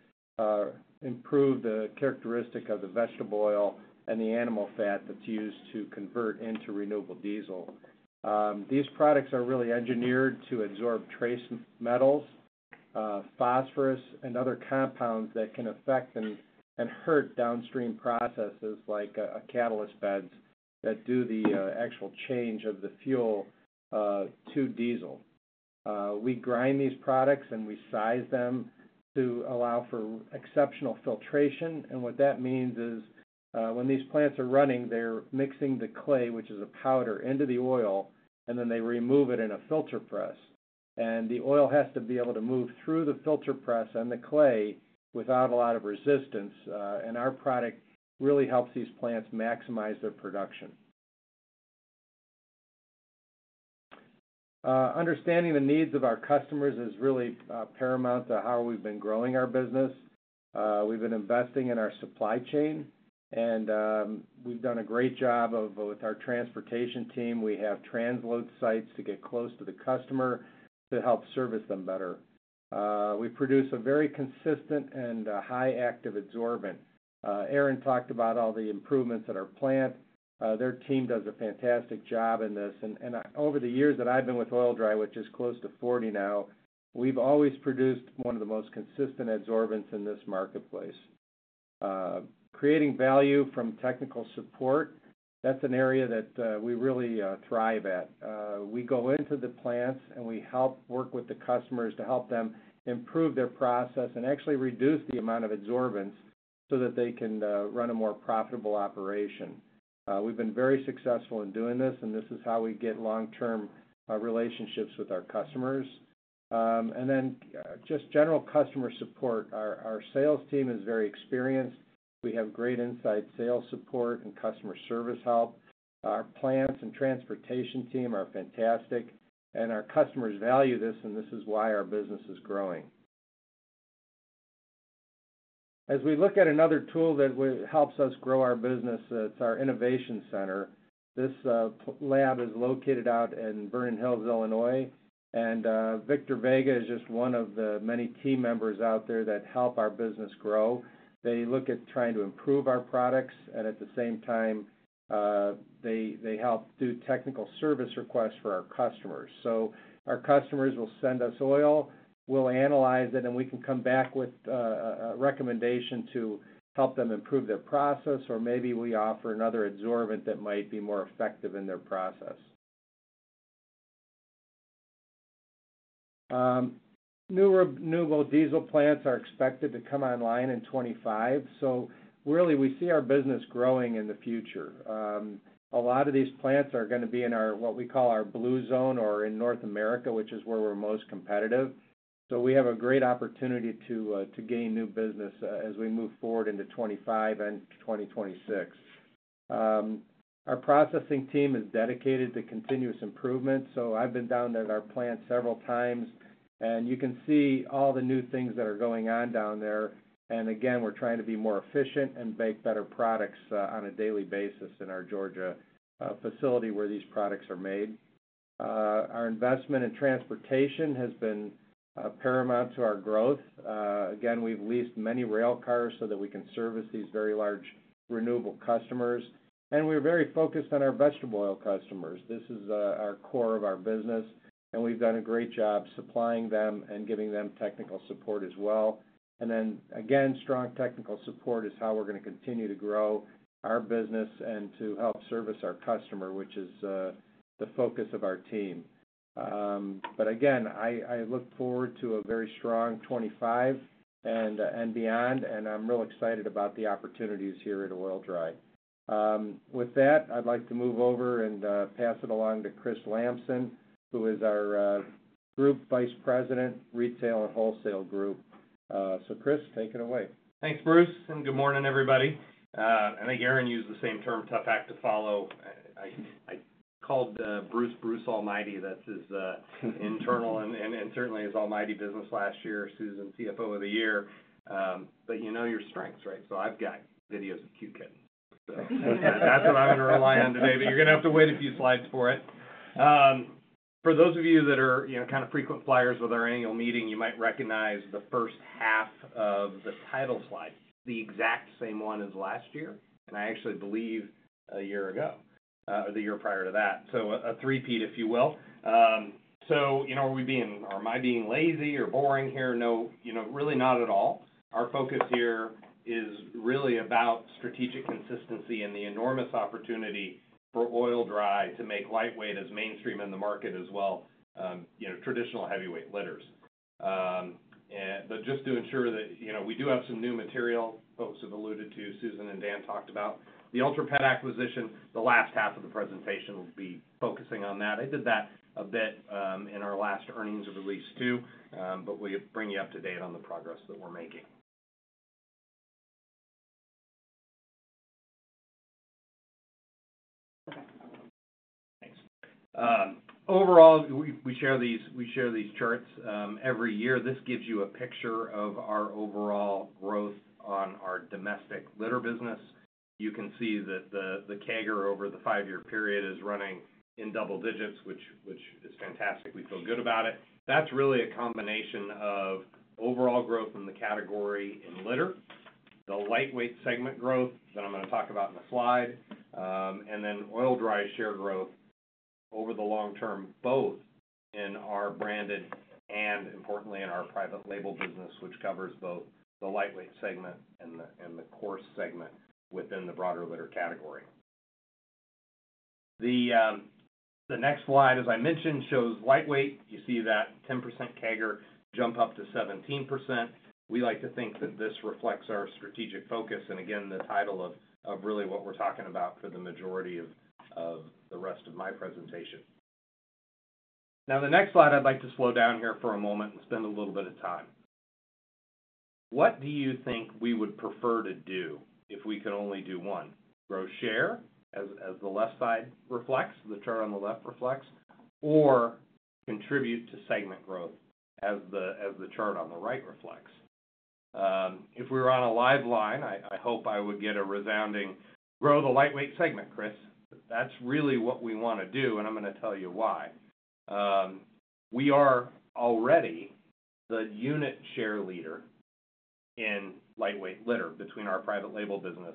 improve the characteristic of the vegetable oil and the animal fat that's used to convert into renewable diesel. These products are really engineered to absorb trace metals, phosphorus, and other compounds that can affect and hurt downstream processes like catalyst beds that do the actual change of the fuel to diesel. We grind these products and we size them to allow for exceptional filtration. And what that means is when these plants are running, they're mixing the clay, which is a powder, into the oil, and then they remove it in a filter press. And the oil has to be able to move through the filter press and the clay without a lot of resistance. And our product really helps these plants maximize their production. Understanding the needs of our customers is really paramount to how we've been growing our business. We've been investing in our supply chain. And we've done a great job with our transportation team. We have transload sites to get close to the customer to help service them better. We produce a very consistent and high-active adsorbent. Aaron talked about all the improvements at our plant. Their team does a fantastic job in this, and over the years that I've been with Oil-Dri, which is close to 40 now, we've always produced one of the most consistent adsorbents in this marketplace. Creating value from technical support, that's an area that we really thrive at. We go into the plants and we help work with the customers to help them improve their process and actually reduce the amount of adsorbents so that they can run a more profitable operation. We've been very successful in doing this, and this is how we get long-term relationships with our customers. Then just general customer support. Our sales team is very experienced. We have great inside sales support and customer service help. Our plants and transportation team are fantastic. Our customers value this, and this is why our business is growing. As we look at another tool that helps us grow our business, it's our innovation center. This lab is located out in Vernon Hills, Illinois. Victor Vega is just one of the many team members out there that help our business grow. They look at trying to improve our products. At the same time, they help do technical service requests for our customers. Our customers will send us oil. We'll analyze it, and we can come back with a recommendation to help them improve their process, or maybe we offer another adsorbent that might be more effective in their process. New renewable diesel plants are expected to come online in 2025. So really, we see our business growing in the future. A lot of these plants are going to be in what we call our blue zone or in North America, which is where we're most competitive. So we have a great opportunity to gain new business as we move forward into 2025 and 2026. Our processing team is dedicated to continuous improvement. So I've been down there at our plant several times, and you can see all the new things that are going on down there. And again, we're trying to be more efficient and make better products on a daily basis in our Georgia facility where these products are made. Our investment in transportation has been paramount to our growth. Again, we've leased many rail cars so that we can service these very large renewable customers. And we're very focused on our vegetable oil customers. This is our core of our business, and we've done a great job supplying them and giving them technical support as well. And then again, strong technical support is how we're going to continue to grow our business and to help service our customer, which is the focus of our team. But again, I look forward to a very strong '25 and beyond, and I'm real excited about the opportunities here at Oil-Dri. With that, I'd like to move over and pass it along to Chris Lamson, who is our Group Vice President, Retail and Wholesale. So Chris, take it away. Thanks, Bruce, and good morning, everybody. I think Aaron used the same term, tough act to follow. I called Bruce Bruce Almighty. That's his internal and certainly his almighty business last year, Susan, CFO of the year. But you know your strengths, right? So I've got videos of cute cats. So that's what I'm going to rely on today, but you're going to have to wait a few slides for it. For those of you that are kind of frequent flyers with our annual meeting, you might recognize the first half of the title slide. The exact same one as last year, and I actually believe a year ago or the year prior to that. So a three-peat, if you will, are we being or am I being lazy or boring here? No, really not at all. Our focus here is really about strategic consistency and the enormous opportunity for Oil-Dri to make lightweight as mainstream in the market as well, traditional heavyweight litters. But just to ensure that we do have some new material, folks have alluded to, Susan and Dan talked about the Ultra Pet acquisition. The last half of the presentation will be focusing on that. I did that a bit in our last earnings release too, but we'll bring you up to date on the progress that we're making. Okay. Thanks. Overall, we share these charts every year. This gives you a picture of our overall growth on our domestic litter business. You can see that the CAGR over the five-year period is running in double digits, which is fantastic. We feel good about it. That's really a combination of overall growth in the category in litter, the lightweight segment growth that I'm going to talk about in the slide, and then Oil-Dri's share growth over the long term, both in our branded and, importantly, in our private label business, which covers both the lightweight segment and the coarse segment within the broader litter category. The next slide, as I mentioned, shows lightweight. You see that 10% CAGR jump up to 17%. We like to think that this reflects our strategic focus and, again, the title of really what we're talking about for the majority of the rest of my presentation. Now, the next slide, I'd like to slow down here for a moment and spend a little bit of time. What do you think we would prefer to do if we could only do one? Grow share, as the left side reflects, the chart on the left reflects, or contribute to segment growth, as the chart on the right reflects? If we were on a live line, I hope I would get a resounding, "Grow the lightweight segment, Chris." That's really what we want to do, and I'm going to tell you why. We are already the unit share leader in lightweight litter between our private label business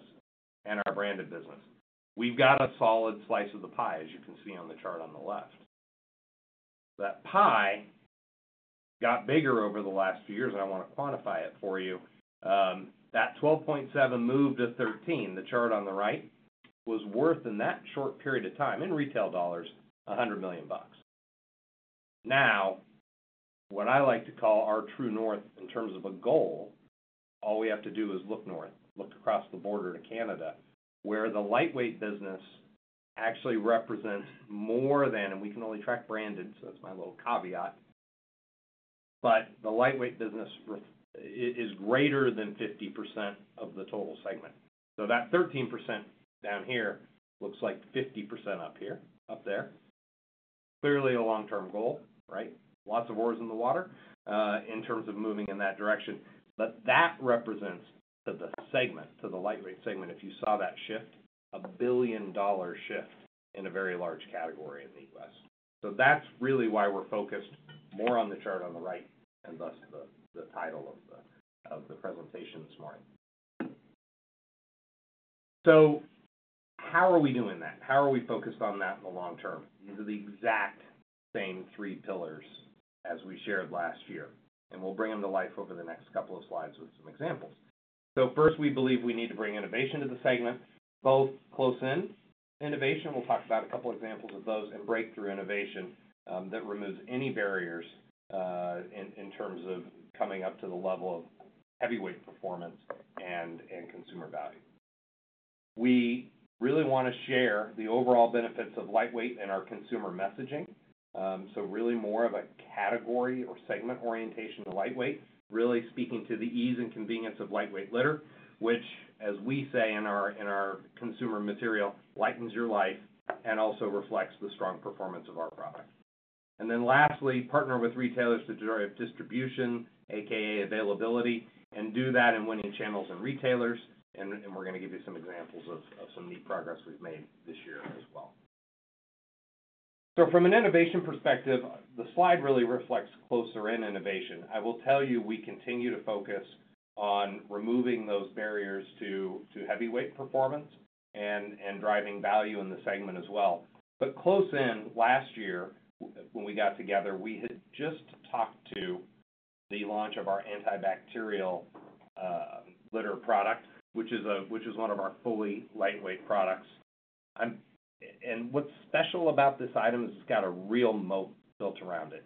and our branded business. We've got a solid slice of the pie, as you can see on the chart on the left. That pie got bigger over the last few years, and I want to quantify it for you. That 12.7% moved to 13%. The chart on the right was worth, in that short period of time, in retail dollars, $100 million. Now, what I like to call our true north in terms of a goal, all we have to do is look north, look across the border to Canada, where the lightweight business actually represents more than, and we can only track branded, so that's my little caveat, but the lightweight business is greater than 50% of the total segment. So that 13% down here looks like 50% up there. Clearly a long-term goal, right? Lots of oars in the water in terms of moving in that direction. But that represents to the segment, to the lightweight segment, if you saw that shift, a $1 billion shift in a very large category in the U.S. So that's really why we're focused more on the chart on the right and thus the title of the presentation this morning. So how are we doing that? How are we focused on that in the long term? These are the exact same three pillars as we shared last year. And we'll bring them to life over the next couple of slides with some examples. So first, we believe we need to bring innovation to the segment, both close-in innovation. We'll talk about a couple of examples of those and breakthrough innovation that removes any barriers in terms of coming up to the level of heavyweight performance and consumer value. We really want to share the overall benefits of lightweight in our consumer messaging. So really more of a category or segment orientation to lightweight, really speaking to the ease and convenience of lightweight litter, which, as we say in our consumer material, lightens your life and also reflects the strong performance of our product. And then lastly, partner with retailers to drive distribution, a.k.a. availability, and do that in winning channels and retailers. And we're going to give you some examples of some neat progress we've made this year as well. So from an innovation perspective, the slide really reflects closer-in innovation. I will tell you we continue to focus on removing those barriers to heavyweight performance and driving value in the segment as well. But close in, last year, when we got together, we had just talked to the launch of our antibacterial litter product, which is one of our fully lightweight products. And what's special about this item is it's got a real moat built around it.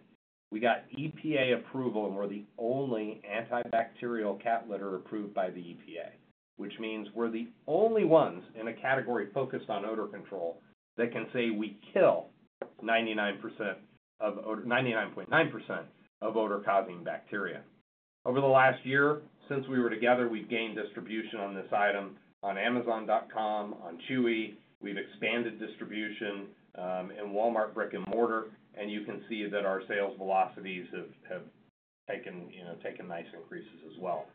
We got EPA approval, and we're the only antibacterial cat litter approved by the EPA, which means we're the only ones in a category focused on odor control that can say we kill 99.9% of odor-causing bacteria. Over the last year, since we were together, we've gained distribution on this item on Amazon.com, on Chewy. We've expanded distribution in Walmart, brick and mortar. And you can see that our sales velocities have taken nice increases as well.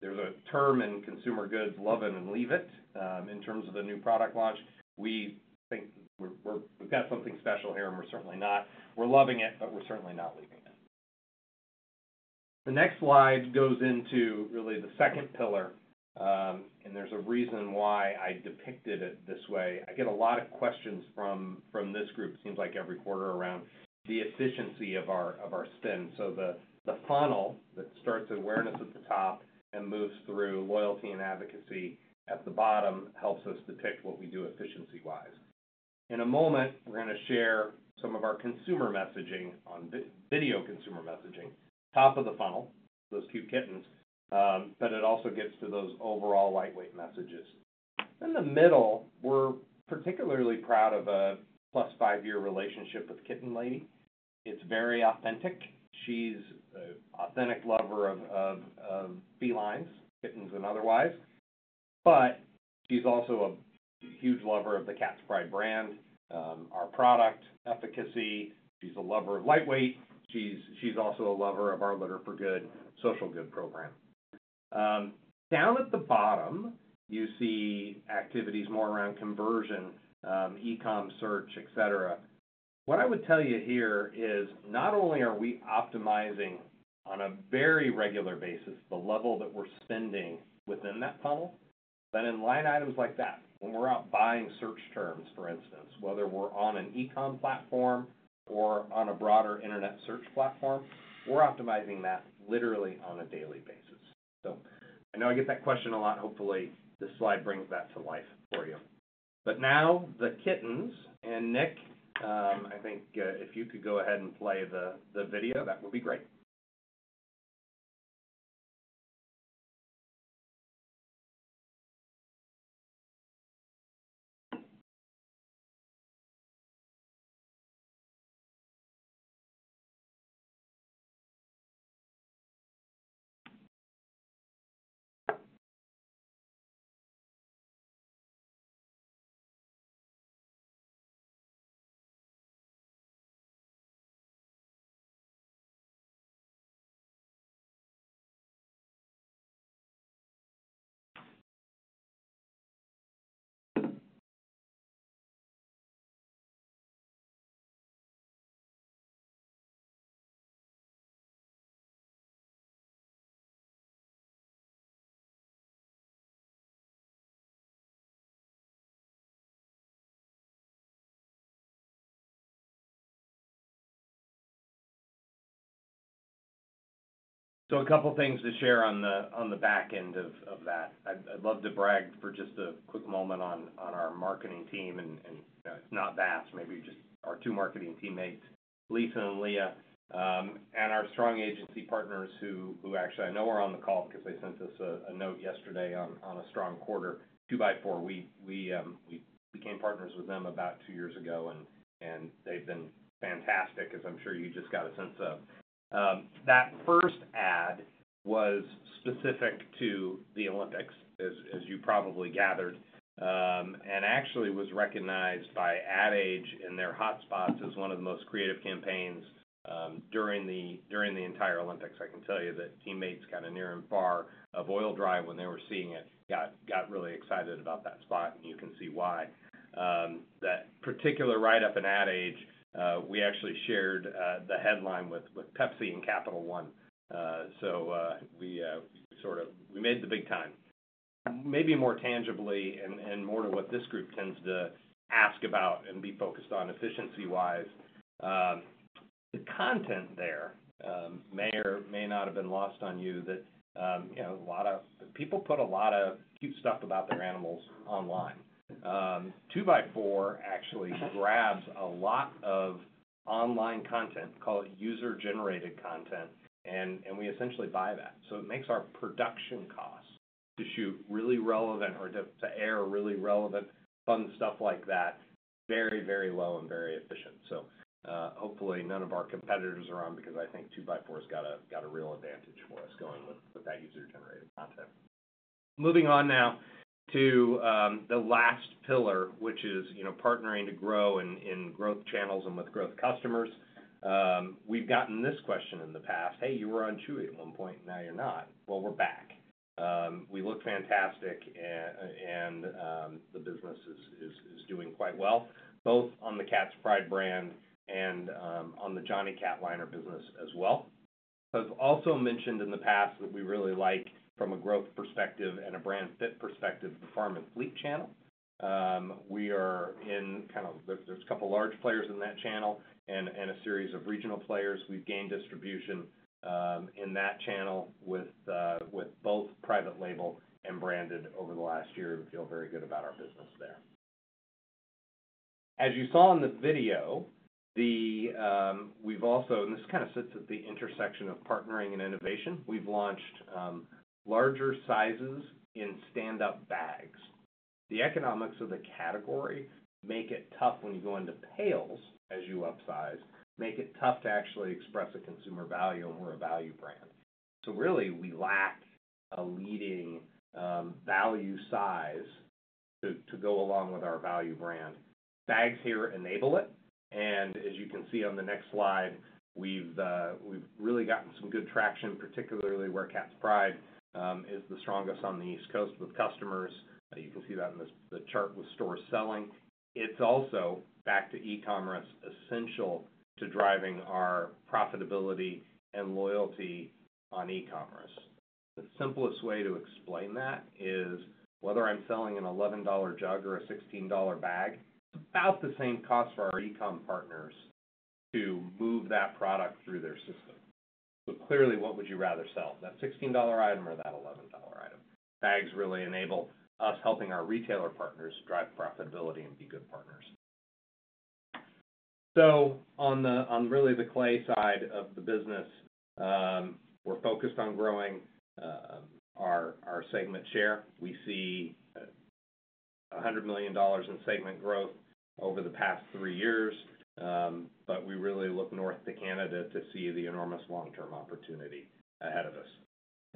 There's a term in consumer goods, love it and leave it, in terms of the new product launch. We think we've got something special here, and we're certainly not. We're loving it, but we're certainly not leaving it. The next slide goes into really the second pillar. And there's a reason why I depicted it this way. I get a lot of questions from this group, seems like every quarter around the efficiency of our spin. So the funnel that starts awareness at the top and moves through loyalty and advocacy at the bottom helps us depict what we do efficiency-wise. In a moment, we're going to share some of our consumer messaging on video consumer messaging. Top of the funnel, those cute kittens, but it also gets to those overall lightweight messages. In the middle, we're particularly proud of a plus five-year relationship with Kitten Lady. It's very authentic. She's an authentic lover of felines, kittens and otherwise. But she's also a huge lover of the Cat's Pride brand, our product, efficacy. She's a lover of lightweight. She's also a lover of our Litter for Good social good program. Down at the bottom, you see activities more around conversion, e-com search, etc. What I would tell you here is not only are we optimizing on a very regular basis the level that we're spending within that funnel, but in line items like that, when we're out buying search terms, for instance, whether we're on an e-com platform or on a broader internet search platform, we're optimizing that literally on a daily basis. So I know I get that question a lot. Hopefully, this slide brings that to life for you. But now the kittens. And Nick, I think if you could go ahead and play the video, that would be great. So a couple of things to share on the back end of that. I'd love to brag for just a quick moment on our marketing team. And it's not vast. Maybe just our two marketing teammates, Lisa and Leah, and our strong agency partners who actually I know are on the call because they sent us a note yesterday on a strong quarter, Two by Four. We became partners with them about two years ago, and they've been fantastic, as I'm sure you just got a sense of. That first ad was specific to the Olympics, as you probably gathered, and actually was recognized by Ad Age in their hotspots as one of the most creative campaigns during the entire Olympics. I can tell you that teammates kind of near and far of Oil-Dri, when they were seeing it, got really excited about that spot, and you can see why. That particular write-up in Ad Age, we actually shared the headline with Pepsi and Capital One. So we sort of made the big time. Maybe more tangibly and more to what this group tends to ask about and be focused on efficiency-wise, the content there may or may not have been lost on you that a lot of people put a lot of cute stuff about their animals online. Two by Four actually grabs a lot of online content, call it user-generated content, and we essentially buy that. So it makes our production cost to shoot really relevant or to air really relevant, fun stuff like that very, very low and very efficient. So hopefully, none of our competitors are on because I think Two by Four has got a real advantage for us going with that user-generated content. Moving on now to the last pillar, which is partnering to grow in growth channels and with growth customers. We've gotten this question in the past, "Hey, you were on Chewy at one point, and now you're not." We're back. We look fantastic, and the business is doing quite well, both on the Cat's Pride brand and on the Jonny Cat liner business as well. I've also mentioned in the past that we really like, from a growth perspective and a brand fit perspective, the farm and fleet channel. We are in kind of there's a couple of large players in that channel and a series of regional players. We've gained distribution in that channel with both private label and branded over the last year and feel very good about our business there. As you saw in the video, we've also, and this kind of sits at the intersection of partnering and innovation, we've launched larger sizes in stand-up bags. The economics of the category make it tough when you go into pails as you upsize, make it tough to actually express a consumer value, and we're a value brand. So really, we lack a leading value size to go along with our value brand. Bags here enable it, and as you can see on the next slide, we've really gotten some good traction, particularly where Cat's Pride is the strongest on the East Coast with customers. You can see that in the chart with store selling. It's also, back to e-commerce, essential to driving our profitability and loyalty on e-commerce. The simplest way to explain that is whether I'm selling an $11 jug or a $16 bag, it's about the same cost for our e-com partners to move that product through their system. So clearly, what would you rather sell, that $16 item or that $11 item? Bags really enable us helping our retailer partners drive profitability and be good partners so on really the clay side of the business, we're focused on growing our segment share. We see $100 million in segment growth over the past three years, but we really look north to Canada to see the enormous long-term opportunity ahead of us,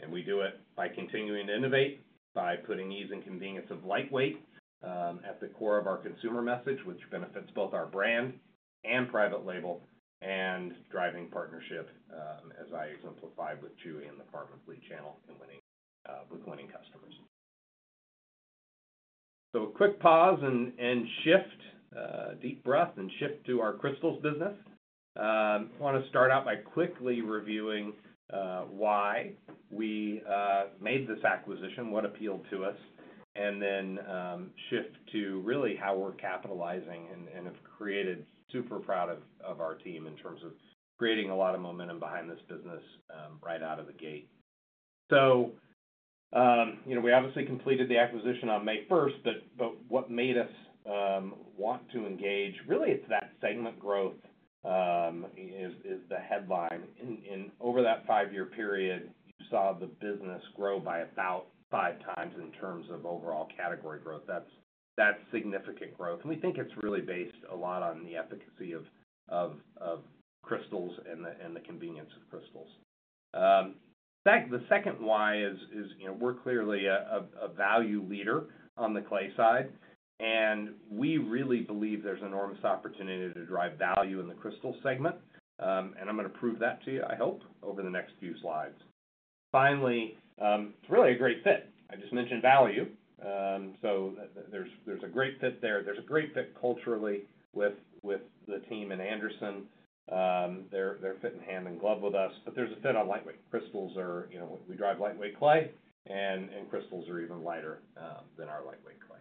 and we do it by continuing to innovate, by putting ease and convenience of lightweight at the core of our consumer message, which benefits both our brand and private label, and driving partnership, as I exemplified with Chewy and the farm and fleet channel and with winning customers so a quick pause and shift, deep breath, and shift to our crystals business. I want to start out by quickly reviewing why we made this acquisition, what appealed to us, and then shift to really how we're capitalizing and have created. Super proud of our team in terms of creating a lot of momentum behind this business right out of the gate. So we obviously completed the acquisition on May 1st, but what made us want to engage really is that segment growth is the headline. And over that five-year period, you saw the business grow by about five times in terms of overall category growth. That's significant growth. And we think it's really based a lot on the efficacy of crystals and the convenience of crystals. The second why is we're clearly a value leader on the clay side, and we really believe there's enormous opportunity to drive value in the crystal segment. I'm going to prove that to you, I hope, over the next few slides. Finally, it's really a great fit. I just mentioned value. So there's a great fit there. There's a great fit culturally with the team and Anderson. They fit hand in glove with us. But there's a fit on lightweight crystals. We drive lightweight clay, and crystals are even lighter than our lightweight clay.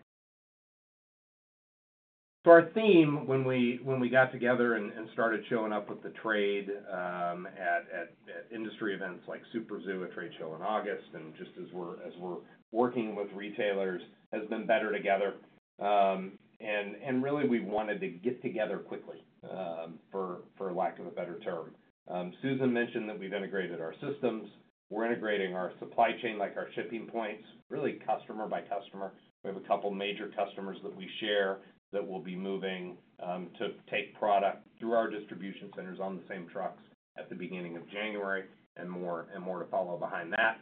So our theme, when we got together and started showing up with the trade at industry events like SuperZoo, a trade show in August, and just as we're working with retailers, has been better together. Really, we wanted to get together quickly, for lack of a better term. Susan mentioned that we've integrated our systems. We're integrating our supply chain like our shipping points, really customer by customer. We have a couple of major customers that we share that will be moving to take product through our distribution centers on the same trucks at the beginning of January and more to follow behind that.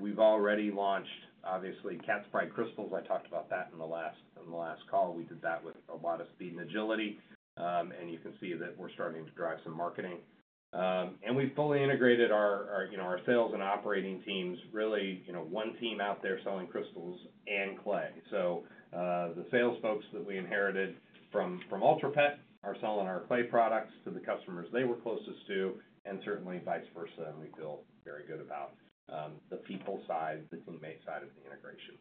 We've already launched, obviously, Cat's Pride Crystals. I talked about that in the last call. We did that with a lot of speed and agility, and you can see that we're starting to drive some marketing, and we've fully integrated our sales and operating teams, really one team out there selling crystals and clay, so the sales folks that we inherited from Ultra Pet are selling our clay products to the customers they were closest to, and certainly vice versa, and we feel very good about the people side, the teammate side of the integration.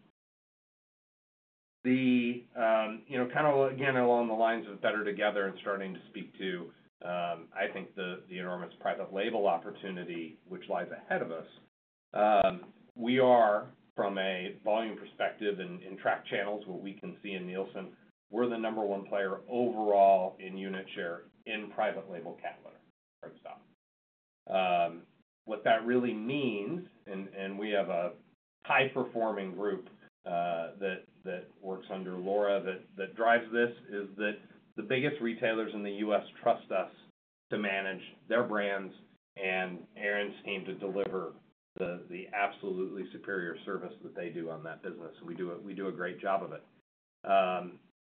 Again, along the lines of better together and starting to speak to, I think, the enormous private label opportunity which lies ahead of us. We are, from a volume perspective and retail channels, what we can see in Nielsen, the number one player overall in unit share in private label cat litter. What that really means, and we have a high-performing group that works under Laura that drives this, is that the biggest retailers in the U.S. trust us to manage their brands and Aaron's team to deliver the absolutely superior service that they do on that business. We do a great job of it.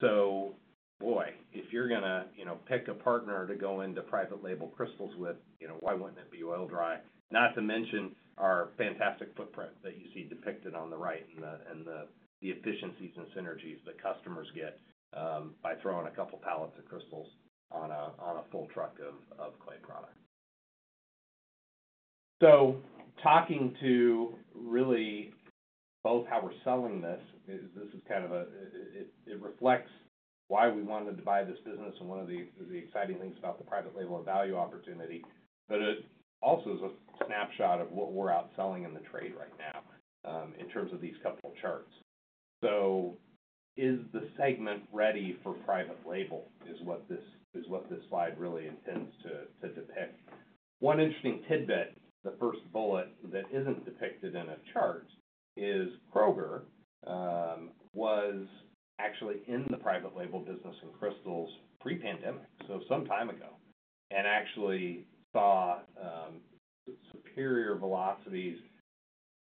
So boy, if you're going to pick a partner to go into private label crystals with, why wouldn't it be Oil-Dri? Not to mention our fantastic footprint that you see depicted on the right and the efficiencies and synergies that customers get by throwing a couple of pallets of crystals on a full truck of clay product. So talking to really both how we're selling this, this is kind of a, it reflects why we wanted to buy this business and one of the exciting things about the private label and value opportunity. But it also is a snapshot of what we're out selling in the trade right now in terms of these couple of charts. So is the segment ready for private label is what this slide really intends to depict. One interesting tidbit, the first bullet that isn't depicted in a chart, is Kroger was actually in the private label business in crystals pre-pandemic, so some time ago, and actually saw superior velocities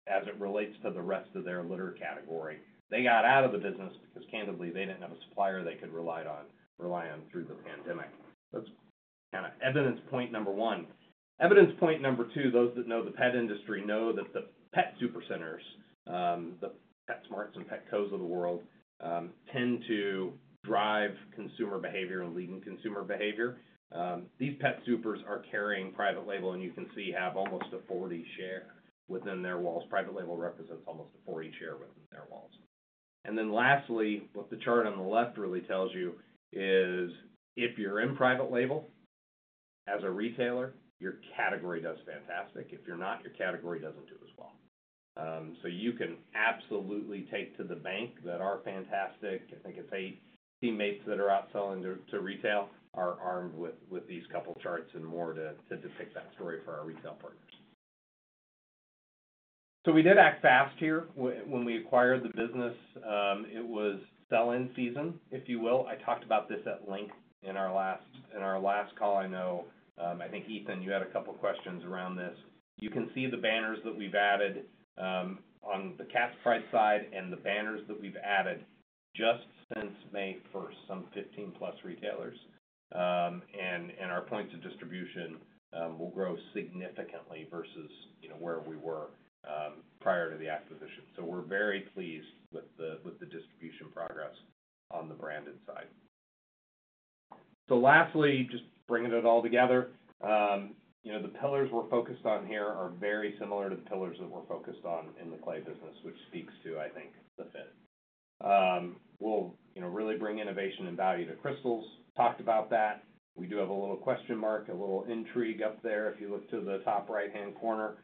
as it relates to the rest of their litter category. They got out of the business because, candidly, they didn't have a supplier they could rely on through the pandemic. That's kind of evidence point number one. Evidence point number two, those that know the pet industry know that the pet super centers, the PetSmarts and Petcos of the world, tend to drive consumer behavior and leading consumer behavior. These pet supers are carrying private label, and you can see have almost a 40% share within their walls. Private label represents almost a 40% share within their walls. Then lastly, what the chart on the left really tells you is if you're in private label as a retailer, your category does fantastic. If you're not, your category doesn't do as well. So you can absolutely take to the bank that our fantastic—I think it's eight teammates that are out selling to retail—are armed with these couple of charts and more to depict that story for our retail partners. So we did act fast here when we acquired the business. It was sell-in season, if you will. I talked about this at length in our last call. I know, I think, Ethan, you had a couple of questions around this. You can see the banners that we've added on the Cat's Pride side and the banners that we've added just since May 1st. Some 15-plus retailers and our points of distribution will grow significantly versus where we were prior to the acquisition. So we're very pleased with the distribution progress on the branded side. So lastly, just bringing it all together, the pillars we're focused on here are very similar to the pillars that we're focused on in the clay business, which speaks to, I think, the fit. We'll really bring innovation and value to crystals. Talked about that. We do have a little question mark, a little intrigue up there if you look to the top right-hand corner.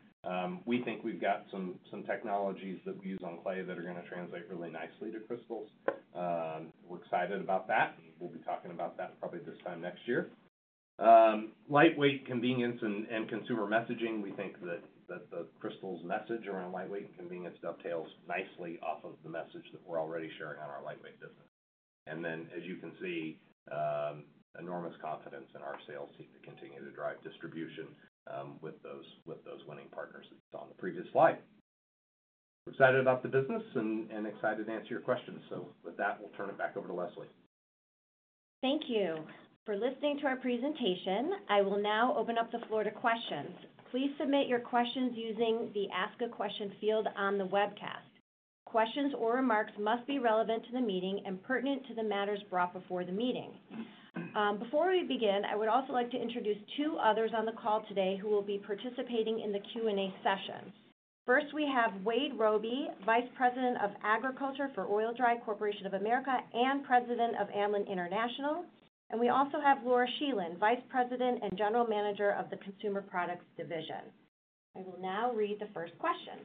We think we've got some technologies that we use on clay that are going to translate really nicely to crystals. We're excited about that, and we'll be talking about that probably this time next year. Lightweight convenience and consumer messaging. We think that the crystal's message around lightweight and convenience dovetails nicely off of the message that we're already sharing on our lightweight business. And then, as you can see, enormous confidence in our sales team to continue to drive distribution with those winning partners. That's on the previous slide. We're excited about the business and excited to answer your questions. So with that, we'll turn it back over to Leslie. Thank you for listening to our presentation. I will now open up the floor to questions. Please submit your questions using the Ask a Question field on the webcast. Questions or remarks must be relevant to the meeting and pertinent to the matters brought before the meeting. Before we begin, I would also like to introduce two others on the call today who will be participating in the Q&A session. First, we have Wade Robey, Vice President of Agriculture for Oil-Dri Corporation of America and President of Amlan International. And we also have Laura Scheland, Vice President and General Manager of the Consumer Products Division. I will now read the first question.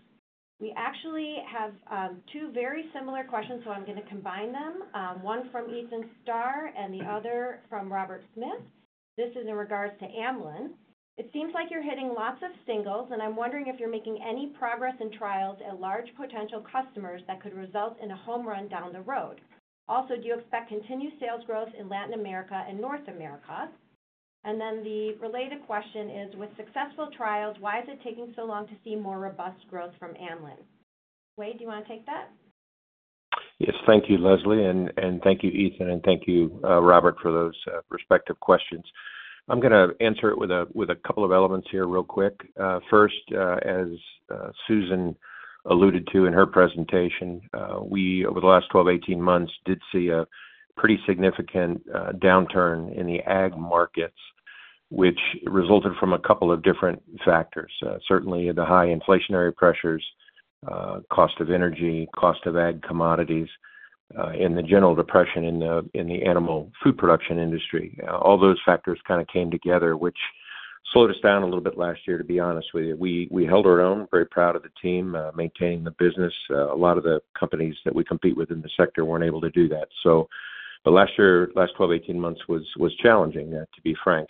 We actually have two very similar questions, so I'm going to combine them. One from Ethan Starr and the other from Robert Smith. This is in regards to Amlan. It seems like you're hitting lots of singles, and I'm wondering if you're making any progress in trials at large potential customers that could result in a home run down the road. Also, do you expect continued sales growth in Latin America and North America? And then the related question is, with successful trials, why is it taking so long to see more robust growth from Amlan? Wade, do you want to take that? Yes. Thank you, Leslie, and thank you, Ethan, and thank you, Robert, for those respective questions. I'm going to answer it with a couple of elements here real quick. First, as Susan alluded to in her presentation, we, over the last 12, 18 months, did see a pretty significant downturn in the ag markets, which resulted from a couple of different factors. Certainly, the high inflationary pressures, cost of energy, cost of ag commodities, and the general depression in the animal food production industry. All those factors kind of came together, which slowed us down a little bit last year, to be honest with you. We held our own. Very proud of the team, maintaining the business. A lot of the companies that we compete with in the sector weren't able to do that. So the last year, last 12, 18 months was challenging, to be frank.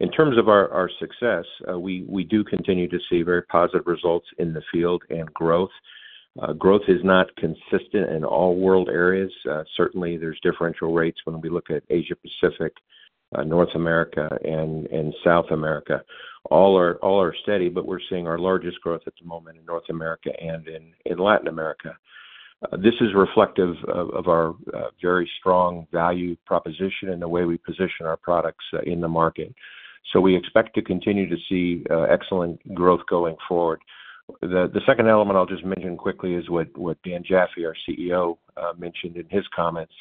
In terms of our success, we do continue to see very positive results in the field and growth. Growth is not consistent in all world areas. Certainly, there's differential rates when we look at Asia-Pacific, North America, and South America. All are steady, but we're seeing our largest growth at the moment in North America and in Latin America. This is reflective of our very strong value proposition and the way we position our products in the market. So we expect to continue to see excellent growth going forward. The second element I'll just mention quickly is what Dan Jaffee, our CEO, mentioned in his comments,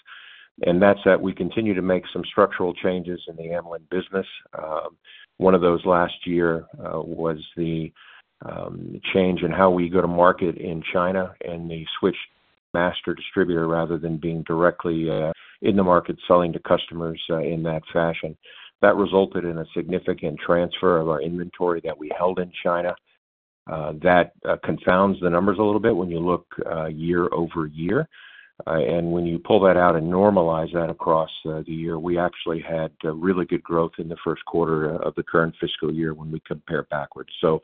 and that's that we continue to make some structural changes in the Amlan business. One of those last year was the change in how we go to market in China and the switch to master distributor rather than being directly in the market selling to customers in that fashion. That resulted in a significant transfer of our inventory that we held in China. That confounds the numbers a little bit when you look year over year, and when you pull that out and normalize that across the year, we actually had really good growth in the first quarter of the current fiscal year when we compare backwards, so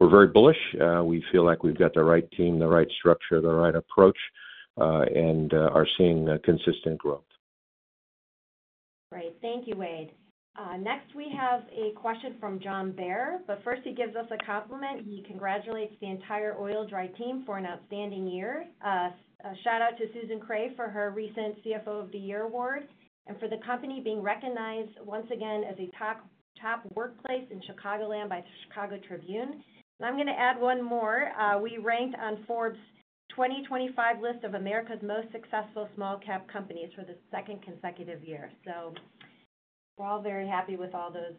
we're very bullish. We feel like we've got the right team, the right structure, the right approach, and are seeing consistent growth. Great. Thank you, Wade. Next, we have a question from John Bair. But first, he gives us a compliment. He congratulates the entire Oil-Dri team for an outstanding year. A shout-out to Susan Kreh for her recent CFO of the Year award and for the company being recognized once again as a top workplace in Chicagoland by the Chicago Tribune, and I'm going to add one more. We ranked on Forbes' 2025 list of America's most successful small-cap companies for the second consecutive year, so we're all very happy with all those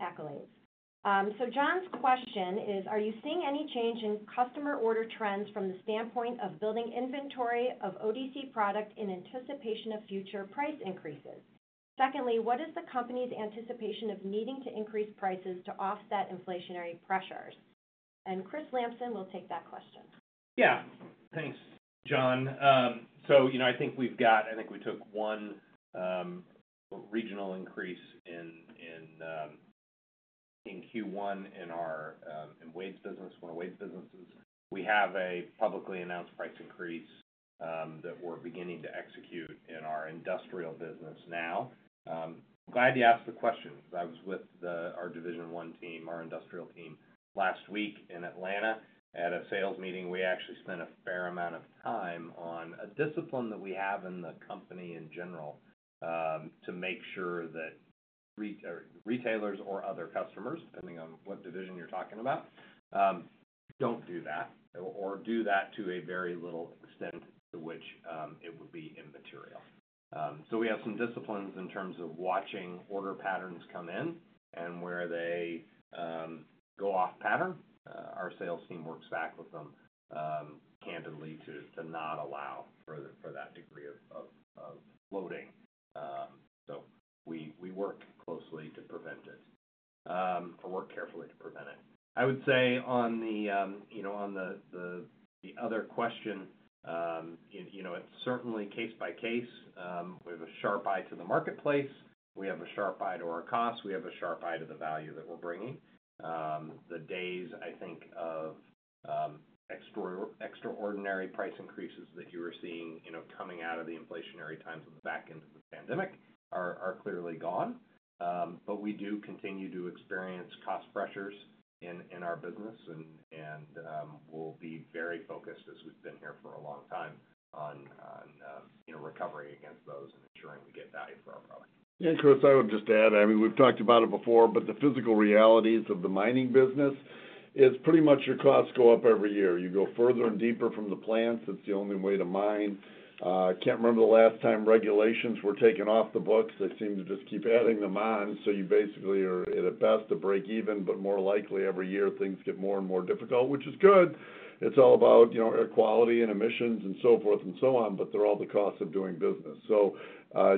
accolades, so John's question is, are you seeing any change in customer order trends from the standpoint of building inventory of ODC product in anticipation of future price increases? Secondly, what is the company's anticipation of needing to increase prices to offset inflationary pressures? And Chris Lamson will take that question. Yeah. Thanks, John. So I think we've got one regional increase in Q1 in our clay business, one of the clay businesses. We have a publicly announced price increase that we're beginning to execute in our industrial business now. I'm glad you asked the question because I was with our Division One team, our industrial team, last week in Atlanta at a sales meeting. We actually spent a fair amount of time on a discipline that we have in the company in general to make sure that retailers or other customers, depending on what division you're talking about, don't do that or do that to a very little extent to which it would be immaterial. So we have some disciplines in terms of watching order patterns come in and where they go off pattern. Our sales team works back with them candidly to not allow for that degree of floating. So we work closely to prevent it or work carefully to prevent it. I would say on the other question, it's certainly case by case. We have a sharp eye to the marketplace. We have a sharp eye to our costs. We have a sharp eye to the value that we're bringing. The days, I think, of extraordinary price increases that you were seeing coming out of the inflationary times at the back end of the pandemic are clearly gone. But we do continue to experience cost pressures in our business, and we'll be very focused, as we've been here for a long time, on recovery against those and ensuring we get value for our product. Chris, I would just add, I mean, we've talked about it before, but the physical realities of the mining business is pretty much your costs go up every year. You go further and deeper from the plants. It's the only way to mine. Can't remember the last time regulations were taken off the books. They seem to just keep adding them on. So you basically are, at best, a break-even, but more likely every year things get more and more difficult, which is good. It's all about air quality and emissions and so forth and so on, but they're all the costs of doing business. So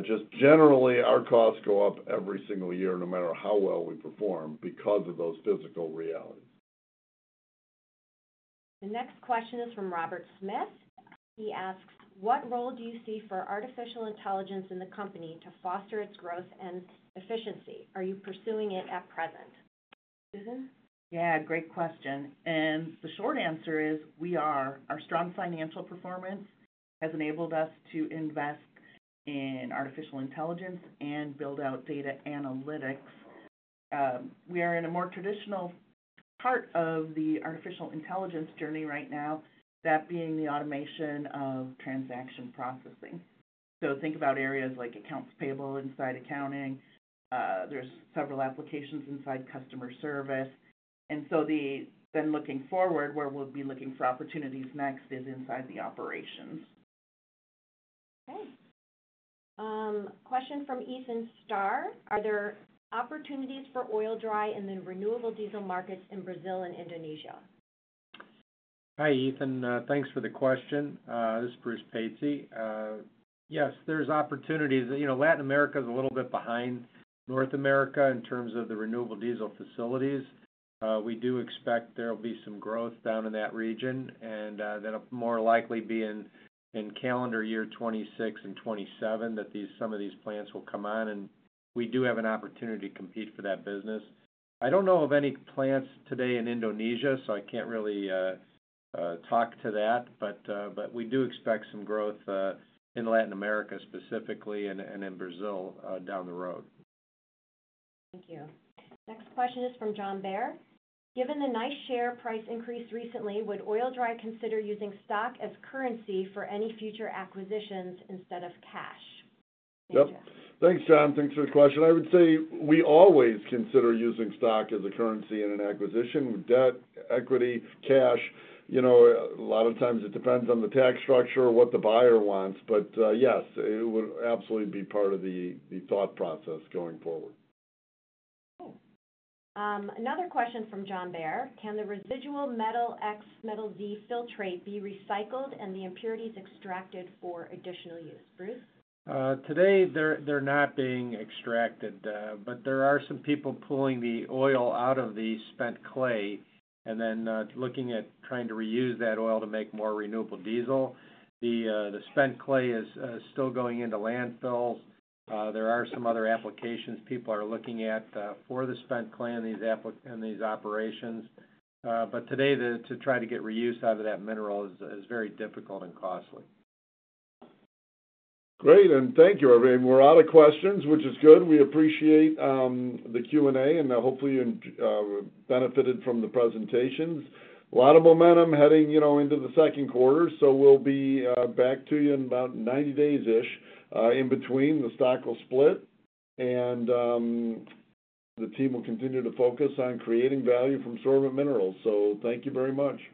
just generally, our costs go up every single year no matter how well we perform because of those physical realities. The next question is from Robert Smith. He asks, "What role do you see for artificial intelligence in the company to foster its growth and efficiency? Are you pursuing it at present?" Susan? Yeah. Great question. And the short answer is we are. Our strong financial performance has enabled us to invest in artificial intelligence and build out data analytics. We are in a more traditional part of the artificial intelligence journey right now, that being the automation of transaction processing. So think about areas like accounts payable inside accounting. There's several applications inside customer service. And so then looking forward, where we'll be looking for opportunities next is inside the operations. Okay. Question from Ethan Starr. Are there opportunities for Oil-Dri and then renewable diesel markets in Brazil and Indonesia? Hi, Ethan. Thanks for the question. This is Bruce Pasley. Yes, there's opportunities. Latin America is a little bit behind North America in terms of the renewable diesel facilities. We do expect there will be some growth down in that region, and that'll more likely be in calendar year 2026 and 2027 that some of these plants will come on. And we do have an opportunity to compete for that business. I don't know of any plants today in Indonesia, so I can't really talk to that. But we do expect some growth in Latin America specifically and in Brazil down the road. Thank you. Next question is from John Bair. Given the nice share price increase recently, would Oil-Dri consider using stock as currency for any future acquisitions instead of cash? Yep. Thanks, John. Thanks for the question. I would say we always consider using stock as a currency in an acquisition: debt, equity, cash. A lot of times it depends on the tax structure, what the buyer wants. But yes, it would absolutely be part of the thought process going forward. Another question from John Bair. Can the residual Metal-X, Metal-Z filtrate be recycled and the impurities extracted for additional use? Bruce? Today, they're not being extracted. But there are some people pulling the oil out of the spent clay and then looking at trying to reuse that oil to make more renewable diesel. The spent clay is still going into landfills. There are some other applications people are looking at for the spent clay in these operations. But today, to try to get reuse out of that mineral is very difficult and costly. Great. And thank you, everybody. We're out of questions, which is good. We appreciate the Q&A, and hopefully you benefited from the presentations. A lot of momentum heading into the second quarter. So we'll be back to you in about 90 days-ish. In between, the stock will split, and the team will continue to focus on creating value from sorbent minerals. So thank you very much.